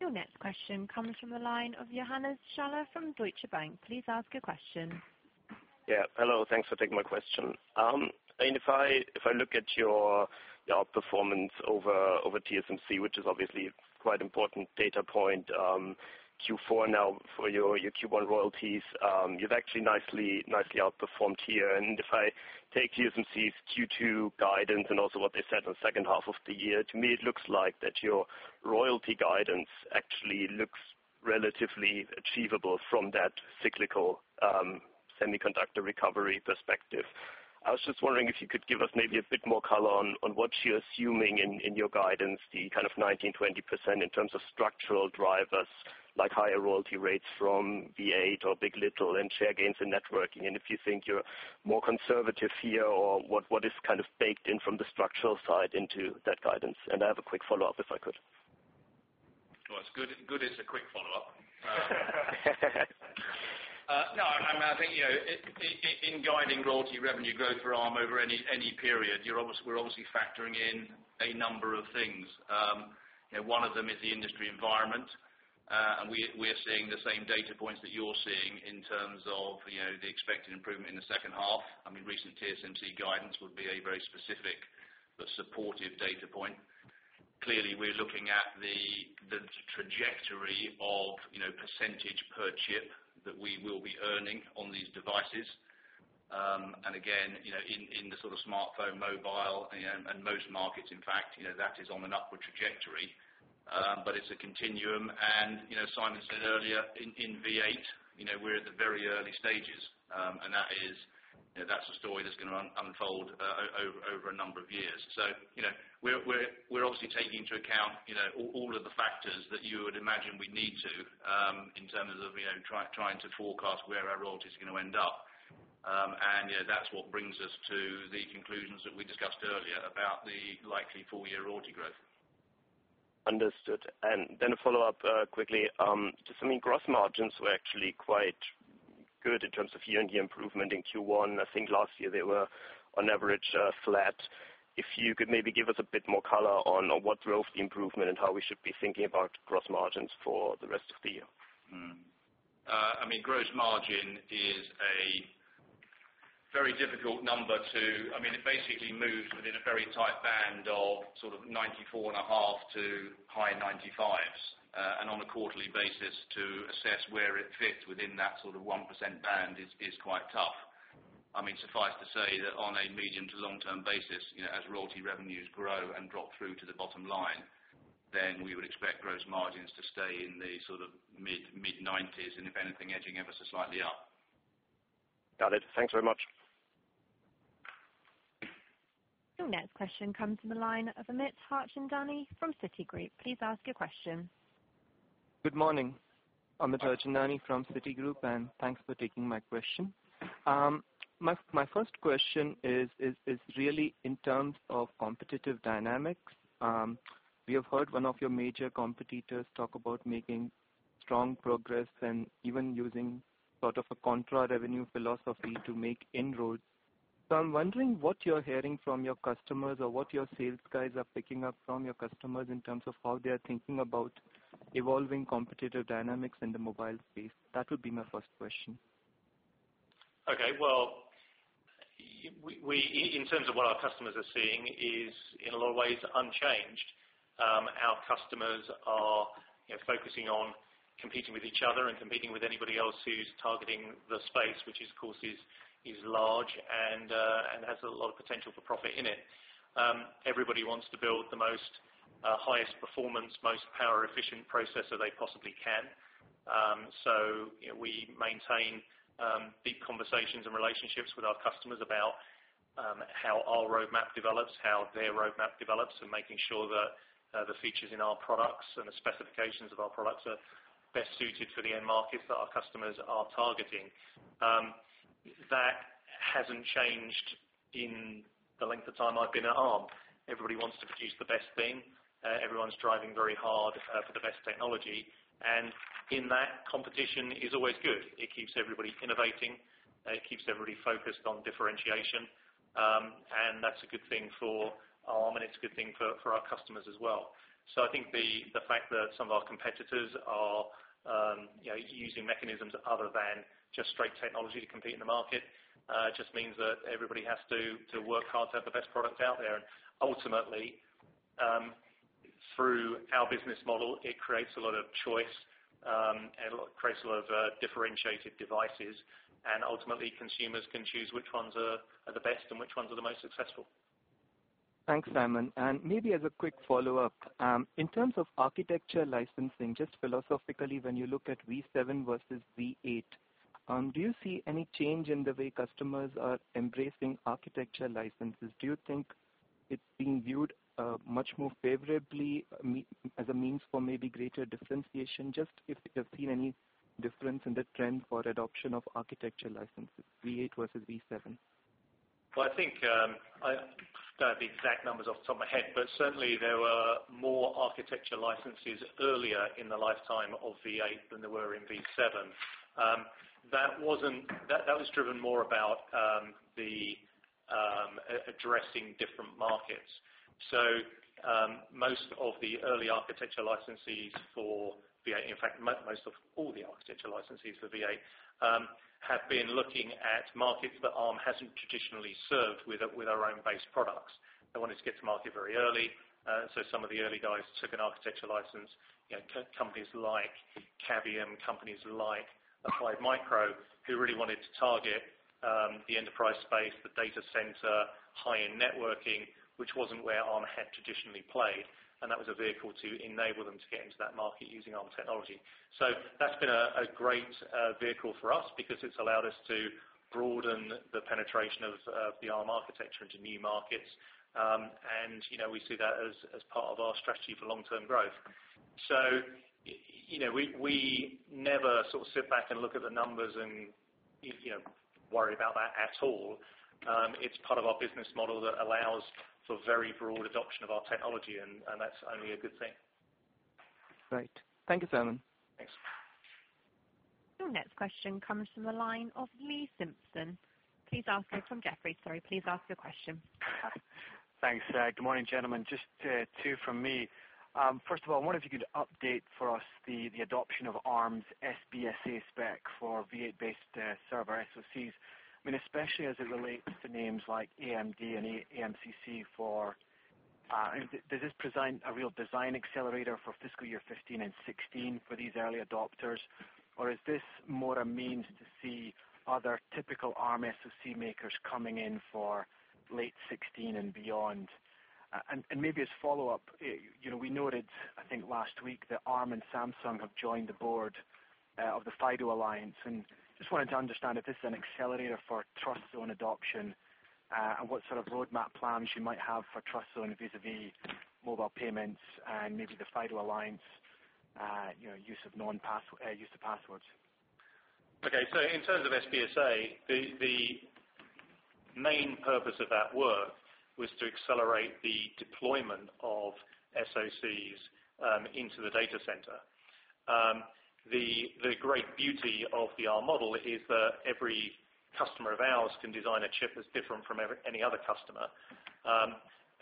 S1: Your next question comes from the line of Johannes Schaller from Deutsche Bank. Please ask your question.
S14: Hello, thanks for taking my question. If I look at your outperformance over TSMC, which is obviously quite important data point. Q4 now for your Q1 royalties, you've actually nicely outperformed here. If I take TSMC's Q2 guidance and also what they said on the second half of the year, to me, it looks like that your royalty guidance actually looks relatively achievable from that cyclical semiconductor recovery perspective. I was just wondering if you could give us maybe a bit more color on what you're assuming in your guidance, the kind of 19%-20% in terms of structural drivers like higher royalty rates from v8 or big. LITTLE and share gains in networking. If you think you're more conservative here or what is kind of baked in from the structural side into that guidance. I have a quick follow-up if I could.
S4: Well, it's good it's a quick follow-up. No, I think in guiding royalty revenue growth for Arm over any period, we're obviously factoring in a number of things. One of them is the industry environment. We're seeing the same data points that you're seeing in terms of the expected improvement in the second half. Recent TSMC guidance would be a very specific but supportive data point. Clearly, we're looking at the trajectory of percentage per chip that we will be earning on these devices. Again, in the sort of smartphone, mobile, and most markets, in fact, that is on an upward trajectory. It's a continuum. Simon said earlier in v8 we're at the very early stages. That's a story that's going to unfold over a number of years. We're obviously taking into account all of the factors that you would imagine we need to, in terms of trying to forecast where our royalty is going to end up. That's what brings us to the conclusions that we discussed earlier about the likely full year royalty growth.
S14: Understood. Then a follow-up quickly. Just some gross margins were actually quite good in terms of year-on-year improvement in Q1. I think last year they were on average flat. If you could maybe give us a bit more color on what drove the improvement and how we should be thinking about gross margins for the rest of the year.
S4: Gross margin is a very difficult number. It basically moves within a very tight band of 94.5% to high 95s. On a quarterly basis to assess where it fits within that sort of 1% band is quite tough. Suffice to say that on a medium to long-term basis, as royalty revenues grow and drop through to the bottom line, then we would expect gross margins to stay in the mid 90s and if anything, edging ever so slightly up.
S14: Got it. Thanks very much.
S1: Your next question comes from the line of Amit Harchandani from Citigroup. Please ask your question.
S15: Good morning. Amit Harchandani from Citigroup, thanks for taking my question. My first question is really in terms of competitive dynamics. We have heard one of your major competitors talk about making strong progress and even using sort of a contra revenue philosophy to make inroads. I'm wondering what you're hearing from your customers or what your sales guys are picking up from your customers in terms of how they are thinking about evolving competitive dynamics in the mobile space. That would be my first question.
S3: Well, in terms of what our customers are seeing is, in a lot of ways, unchanged. Our customers are focusing on competing with each other and competing with anybody else who's targeting the space, which of course is large and has a lot of potential for profit in it. Everybody wants to build the most highest performance, most power efficient processor they possibly can. We maintain deep conversations and relationships with our customers about how our roadmap develops, how their roadmap develops, and making sure that the features in our products and the specifications of our products are best suited for the end markets that our customers are targeting. That hasn't changed in the length of time I've been at Arm. Everybody wants to produce the best thing. Everyone's driving very hard for the best technology. In that competition is always good. It keeps everybody innovating. It keeps everybody focused on differentiation. That's a good thing for Arm, and it's a good thing for our customers as well. I think the fact that some of our competitors are using mechanisms other than just straight technology to compete in the market, just means that everybody has to work hard to have the best product out there. Ultimately, through our business model, it creates a lot of choice, and it creates a lot of differentiated devices. Ultimately, consumers can choose which ones are the best and which ones are the most successful.
S15: Thanks, Simon. Maybe as a quick follow-up. In terms of architecture licensing, just philosophically, when you look at v7 versus v8, do you see any change in the way customers are embracing architecture licenses? Do you think it's being viewed much more favorably as a means for maybe greater differentiation? Just if you have seen any difference in the trend for adoption of architecture licenses, v8 versus v7.
S3: Well, I don't have the exact numbers off the top of my head, but certainly there were more architecture licenses earlier in the lifetime of v8 than there were in v7. That was driven more about addressing different markets. Most of the early architecture licensees for v8, in fact, most of all the architecture licensees for v8 have been looking at markets that Arm hasn't traditionally served with our own base products. They wanted to get to market very early. Some of the early guys took an architecture license. Companies like Cavium, companies like Applied Micro, who really wanted to target the enterprise space, the data center, high-end networking, which wasn't where Arm had traditionally played. That was a vehicle to enable them to get into that market using Arm technology. That's been a great vehicle for us because it's allowed us to broaden the penetration of the Arm architecture into new markets. We see that as part of our strategy for long-term growth. We never sort of sit back and look at the numbers and worry about that at all. It's part of our business model that allows for very broad adoption of our technology, and that's only a good thing.
S15: Great. Thank you, Simon.
S3: Thanks.
S1: Your next question comes from the line of Lee Simpson. Please ask it from Jefferies. Sorry. Please ask your question.
S16: Thanks. Good morning, gentlemen. Just two from me. First of all, I wonder if you could update for us the adoption of Arm's SBSA spec for v8-based server SoCs, especially as it relates to names like AMD and AMCC. Does this present a real design accelerator for FY 2015 and 2016 for these early adopters? Or is this more a means to see other typical Arm SoC makers coming in for late 2016 and beyond. Maybe as follow-up, we noted, I think last week, that Arm and Samsung have joined the board of the FIDO Alliance. Just wanted to understand if this is an accelerator for TrustZone adoption, and what sort of roadmap plans you might have for TrustZone vis-à-vis mobile payments and maybe the FIDO Alliance use of passwords.
S3: Okay. In terms of SBSA, the main purpose of that work was to accelerate the deployment of SoCs into the data center. The great beauty of the Arm model is that every customer of ours can design a chip that's different from any other customer.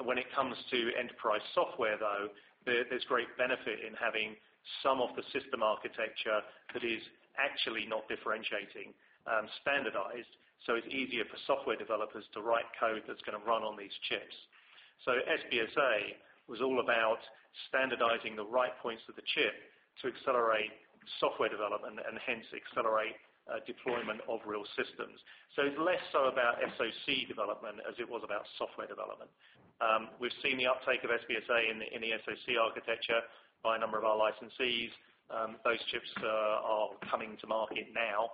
S3: When it comes to enterprise software, though, there's great benefit in having some of the system architecture that is actually not differentiating standardized, so it's easier for software developers to write code that's going to run on these chips. SBSA was all about standardizing the right points of the chip to accelerate software development and hence accelerate deployment of real systems. It's less so about SoC development as it was about software development. We've seen the uptake of SBSA in the SoC architecture by a number of our licensees. Those chips are coming to market now.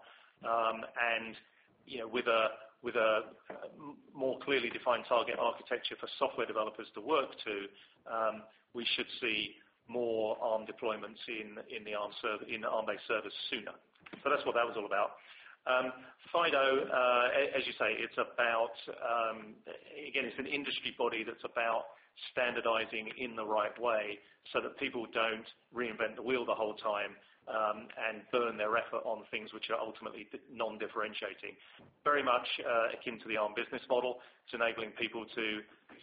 S3: With a more clearly defined target architecture for software developers to work to, we should see more Arm deployments in Arm-based servers sooner. That's what that was all about. FIDO, as you say, again, it's an industry body that's about standardizing in the right way so that people don't reinvent the wheel the whole time, and burn their effort on things which are ultimately non-differentiating. Very much akin to the Arm business model. It's enabling people to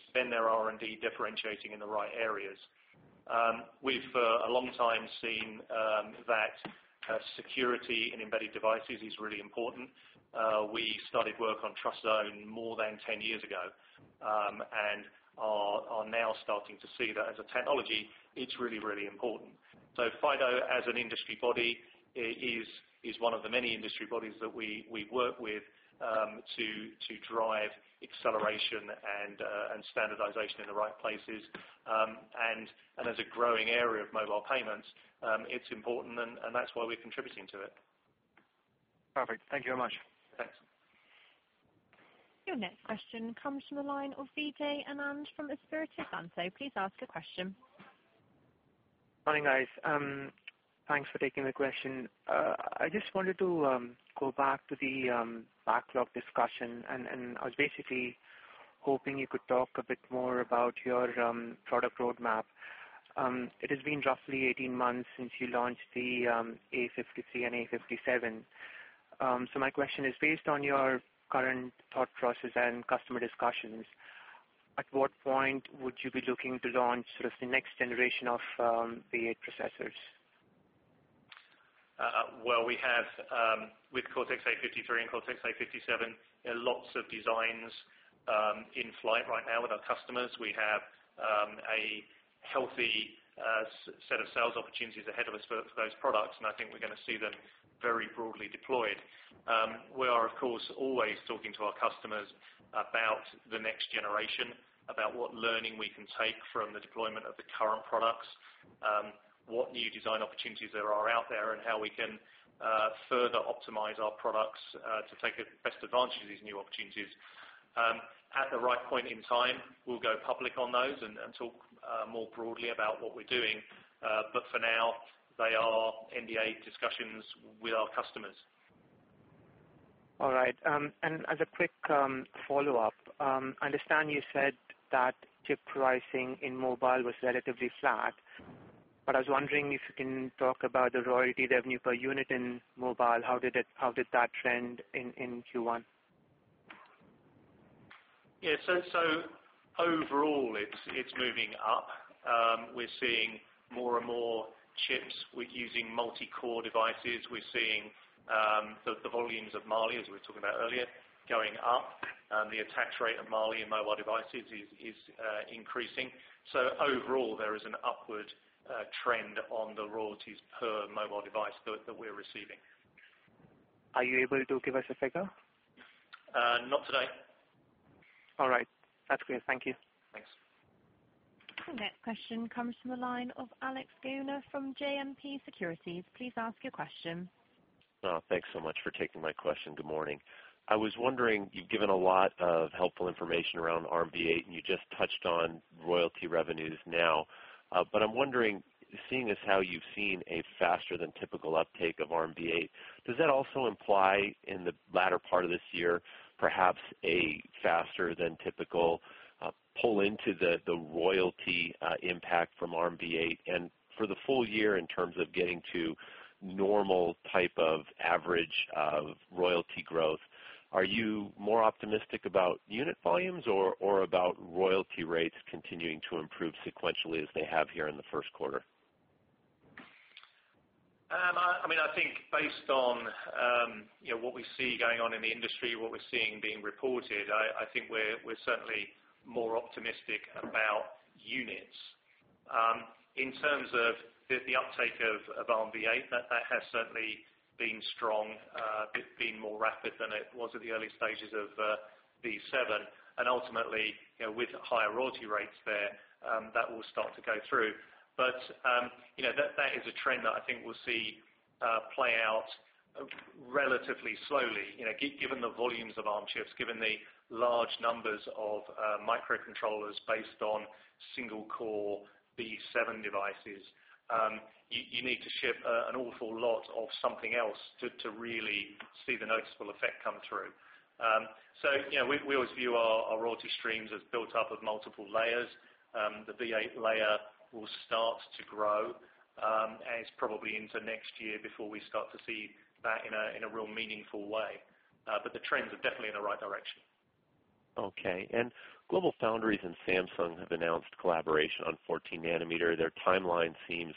S3: spend their R&D differentiating in the right areas. We've, for a long time, seen that security in embedded devices is really important. We started work on TrustZone more than 10 years ago, and are now starting to see that as a technology, it's really, really important. FIDO, as an industry body, is one of the many industry bodies that we work with to drive acceleration and standardization in the right places. As a growing area of mobile payments, it's important, and that's why we're contributing to it.
S16: Perfect. Thank you very much.
S3: Thanks.
S1: Your next question comes from the line of Vijay Anand from Espírito Santo. Please ask your question.
S17: Morning, guys. Thanks for taking the question. I just wanted to go back to the backlog discussion, and I was basically hoping you could talk a bit more about your product roadmap. It has been roughly 18 months since you launched the A53 and A57. My question is, based on your current thought process and customer discussions, at what point would you be looking to launch sort of the next generation of v8 processors?
S3: Well, we have, with Cortex-A53 and Cortex-A57, lots of designs in flight right now with our customers. We have a healthy set of sales opportunities ahead of us for those products, and I think we're going to see them very broadly deployed. We are, of course, always talking to our customers about the next generation, about what learning we can take from the deployment of the current products. What new design opportunities there are out there, and how we can further optimize our products to take best advantage of these new opportunities. At the right point in time, we'll go public on those and talk more broadly about what we're doing. For now, they are NDA discussions with our customers.
S17: All right. As a quick follow-up, I understand you said that chip pricing in mobile was relatively flat, but I was wondering if you can talk about the royalty revenue per unit in mobile. How did that trend in Q1?
S3: Yeah. Overall, it's moving up. We're seeing more and more chips with using multi-core devices. We're seeing the volumes of Mali, as we were talking about earlier, going up. The attach rate of Mali in mobile devices is increasing. Overall, there is an upward trend on the royalties per mobile device that we're receiving.
S17: Are you able to give us a figure?
S3: Not today.
S17: All right. That's clear. Thank you.
S3: Thanks.
S1: The next question comes from the line of Alex Gauna from JMP Securities. Please ask your question.
S18: Thanks so much for taking my question. Good morning. I was wondering, you've given a lot of helpful information around ARMv8, and you just touched on royalty revenues now. I'm wondering, seeing as how you've seen a faster than typical uptake of ARMv8, does that also imply in the latter part of this year perhaps a faster than typical pull into the royalty impact from ARMv8? For the full year in terms of getting to normal type of average of royalty growth, are you more optimistic about unit volumes or about royalty rates continuing to improve sequentially as they have here in the first quarter?
S3: I think based on what we see going on in the industry, what we're seeing being reported, I think we're certainly more optimistic about units. In terms of the uptake of ARMv8, that has certainly been strong. It's been more rapid than it was at the early stages of ARMv7, and ultimately, with higher royalty rates there, that will start to go through. That is a trend that I think we'll see play out relatively slowly. Given the volumes of Arm chips, given the large numbers of microcontrollers based on single core ARMv7 devices, you need to ship an awful lot of something else to really see the noticeable effect come through. We always view our royalty streams as built up of multiple layers. The ARMv8 layer will start to grow, and it's probably into next year before we start to see that in a real meaningful way. The trends are definitely in the right direction.
S18: Okay. GlobalFoundries and Samsung have announced collaboration on 14 nanometer. Their timeline seems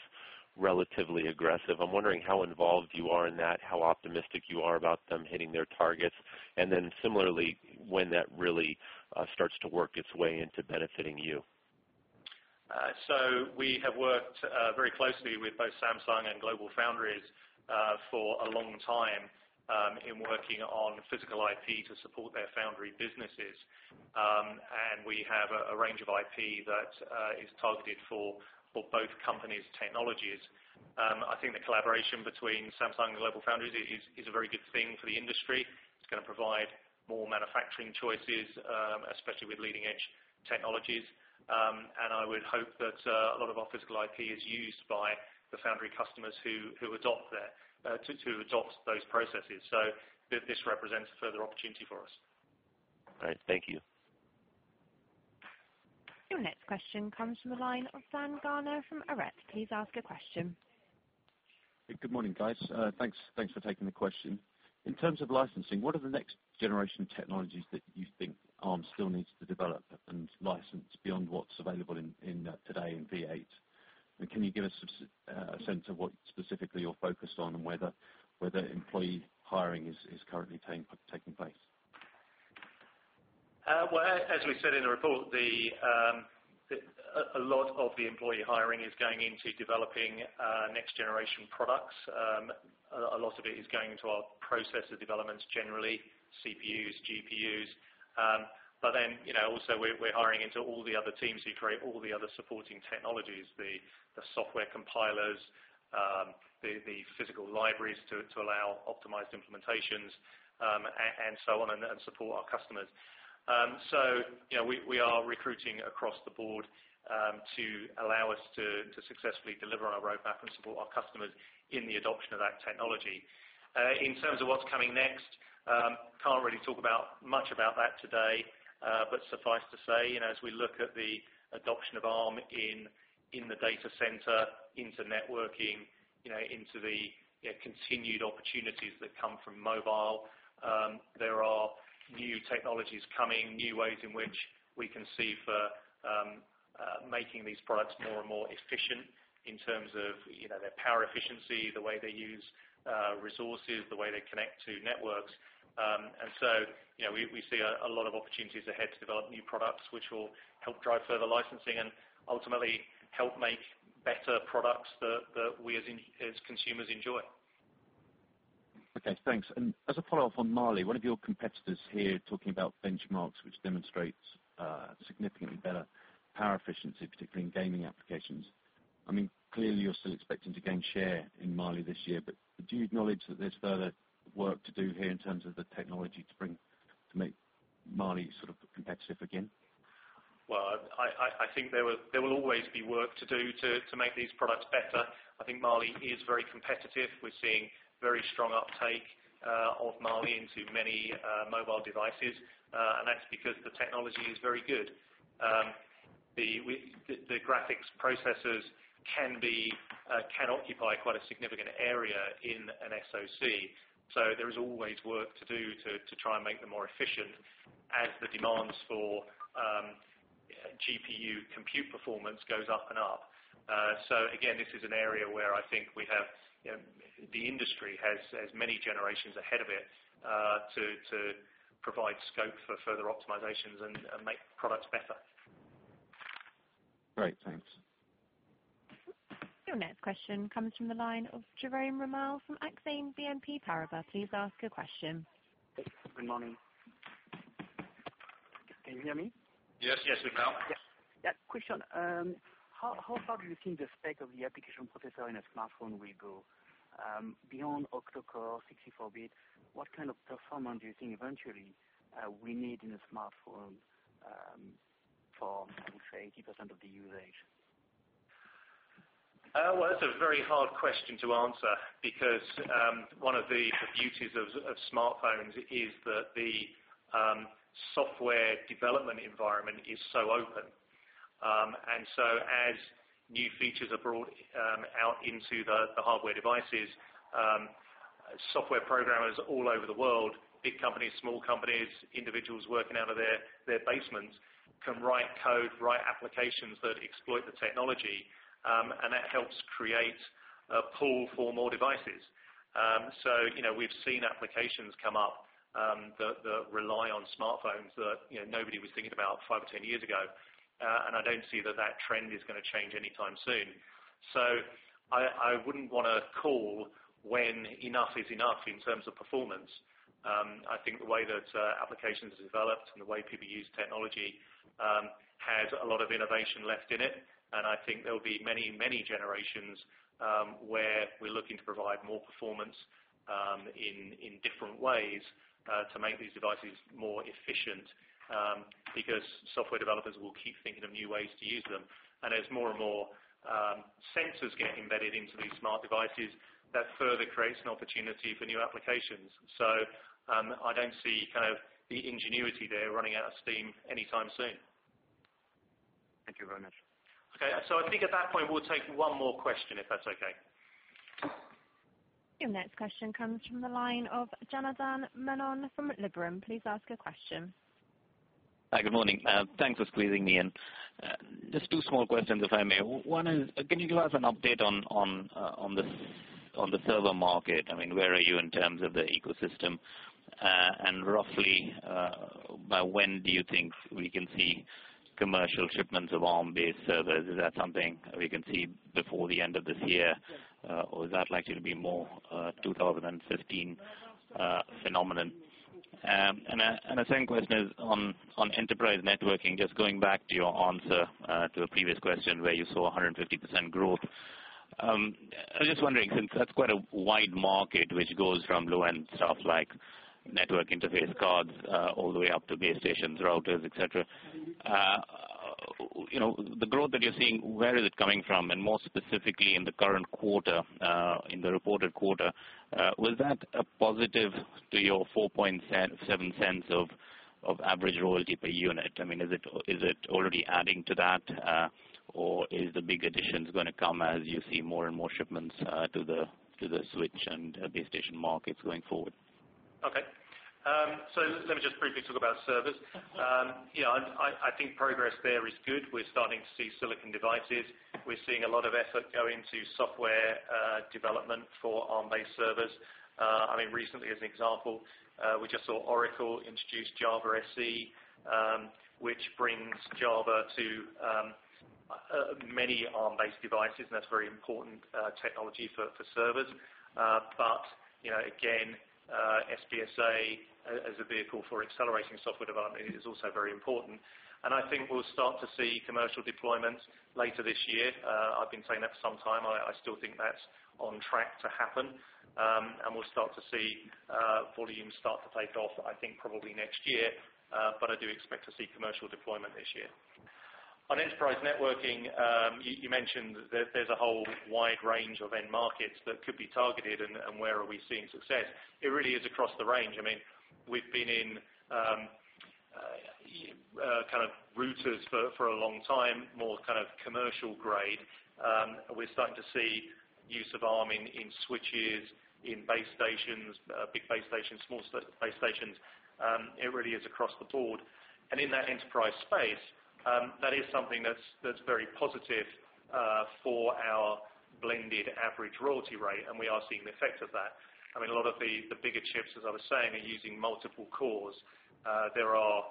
S18: relatively aggressive. I'm wondering how involved you are in that, how optimistic you are about them hitting their targets, and then similarly, when that really starts to work its way into benefiting you.
S3: We have worked very closely with both Samsung and GlobalFoundries for a long time in working on physical IP to support their foundry businesses. We have a range of IP that is targeted for both companies' technologies. I think the collaboration between Samsung and GlobalFoundries is a very good thing for the industry. It's going to provide more manufacturing choices, especially with leading-edge technologies. I would hope that a lot of our physical IP is used by the foundry customers who adopt those processes. This represents a further opportunity for us.
S18: All right. Thank you.
S1: Your next question comes from the line of Dan Gardiner from Arete. Please ask your question.
S19: Good morning, guys. Thanks for taking the question. In terms of licensing, what are the next generation technologies that you think Arm still needs to develop and license beyond what's available today in ARMv8? Can you give us a sense of what specifically you're focused on and whether employee hiring is currently taking place?
S3: Well, as we said in the report, a lot of the employee hiring is going into developing next generation products. A lot of it is going into our processor developments, generally, CPUs, GPUs. Also we're hiring into all the other teams who create all the other supporting technologies, the software compilers, the physical libraries to allow optimized implementations, and so on, and support our customers. We are recruiting across the board to allow us to successfully deliver on our roadmap and support our customers in the adoption of that technology. In terms of what's coming next, can't really talk much about that today. suffice to say, as we look at the adoption of Arm in the data center into networking, into the continued opportunities that come from mobile, there are new technologies coming, new ways in which we can see for making these products more and more efficient in terms of their power efficiency, the way they use resources, the way they connect to networks. We see a lot of opportunities ahead to develop new products which will help drive further licensing and ultimately help make better products that we as consumers enjoy.
S19: Okay, thanks. As a follow-up on Mali, one of your competitors here talking about benchmarks which demonstrates significantly better power efficiency, particularly in gaming applications. Clearly you're still expecting to gain share in Mali this year, but do you acknowledge that there's further work to do here in terms of the technology to make Mali competitive again?
S3: Well, I think there will always be work to do to make these products better. I think Mali is very competitive. We're seeing very strong uptake of Mali into many mobile devices. That's because the technology is very good. The graphics processors can occupy quite a significant area in an SoC, so there is always work to do to try and make them more efficient as the demands for GPU compute performance goes up and up. Again, this is an area where I think the industry has many generations ahead of it to provide scope for further optimizations and make products better.
S19: Great. Thanks.
S1: Your next question comes from the line of Jerome Ramel from Exane BNP Paribas. Please ask your question.
S20: Good morning. Can you hear me?
S3: Yes, we can.
S20: Yeah. Question. How far do you think the spec of the application processor in a smartphone will go? Beyond octo-core 64-bit, what kind of performance do you think eventually we need in a smartphone for, let's say, 80% of the usage?
S3: That's a very hard question to answer because one of the beauties of smartphones is that the software development environment is so open. As new features are brought out into the hardware devices, software programmers all over the world, big companies, small companies, individuals working out of their basements, can write code, write applications that exploit the technology. That helps create a pool for more devices. We've seen applications come up that rely on smartphones that nobody was thinking about five or 10 years ago. I don't see that that trend is going to change anytime soon. I wouldn't want to call when enough is enough in terms of performance. I think the way that applications have developed and the way people use technology has a lot of innovation left in it, and I think there'll be many, many generations where we're looking to provide more performance in different ways to make these devices more efficient because software developers will keep thinking of new ways to use them. As more and more sensors get embedded into these smart devices, that further creates an opportunity for new applications. I don't see the ingenuity there running out of steam anytime soon.
S21: Thank you very much.
S3: I think at that point, we'll take one more question, if that's okay.
S1: Your next question comes from the line of Janardan Menon from Liberum. Please ask your question.
S21: Hi. Good morning. Thanks for squeezing me in. Just two small questions, if I may. One is, can you give us an update on the server market? Where are you in terms of the ecosystem? Roughly by when do you think we can see commercial shipments of Arm-based servers? Is that something we can see before the end of this year or is that likely to be more a 2015 phenomenon? A second question is on enterprise networking. Just going back to your answer to a previous question where you saw 150% growth. I'm just wondering, since that's quite a wide market, which goes from low-end stuff like network interface cards all the way up to base stations, routers, et cetera. The growth that you're seeing, where is it coming from? More specifically, in the current quarter, in the reported quarter, was that a positive to your 0.047 of average royalty per unit? Is it already adding to that? Is the big additions going to come as you see more and more shipments to the switch and base station markets going forward?
S3: Okay. Let me just briefly talk about servers. I think progress there is good. We're starting to see silicon devices. We're seeing a lot of effort go into software development for Arm-based servers. Recently, as an example, we just saw Oracle introduce Java SE which brings Java to many Arm-based devices, and that's very important technology for servers. Again, SBSA as a vehicle for accelerating software development is also very important. I think we'll start to see commercial deployments later this year. I've been saying that for some time. I still think that's on track to happen. We'll start to see volumes start to take off, I think, probably next year. I do expect to see commercial deployment this year. On enterprise networking, you mentioned there's a whole wide range of end markets that could be targeted and where are we seeing success. It really is across the range. We've been in routers for a long time, more kind of commercial grade. We are starting to see use of Arm in switches, in base stations, big base stations, small base stations. It really is across the board. In that enterprise space, that is something that is very positive for our blended average royalty rate, and we are seeing the effect of that. A lot of the bigger chips, as I was saying, are using multiple cores. There are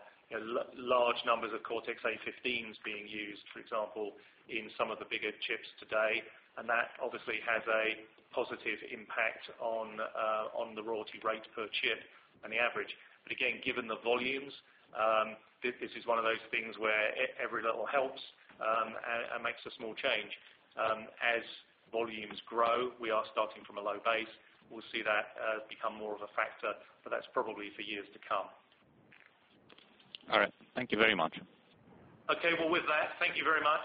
S3: large numbers of Cortex-A15s being used, for example, in some of the bigger chips today, and that obviously has a positive impact on the royalty rate per chip and the average. Again, given the volumes, this is one of those things where every little helps and makes a small change. As volumes grow, we are starting from a low base. We will see that become more of a factor, that is probably for years to come.
S21: All right. Thank you very much.
S3: Well, with that, thank you very much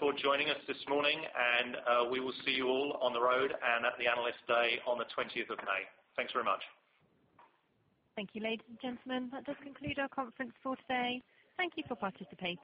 S3: for joining us this morning, we will see you all on the road and at the Analyst Day on the 20th of May. Thanks very much.
S1: Thank you, ladies and gentlemen. That does conclude our conference for today. Thank you for participating.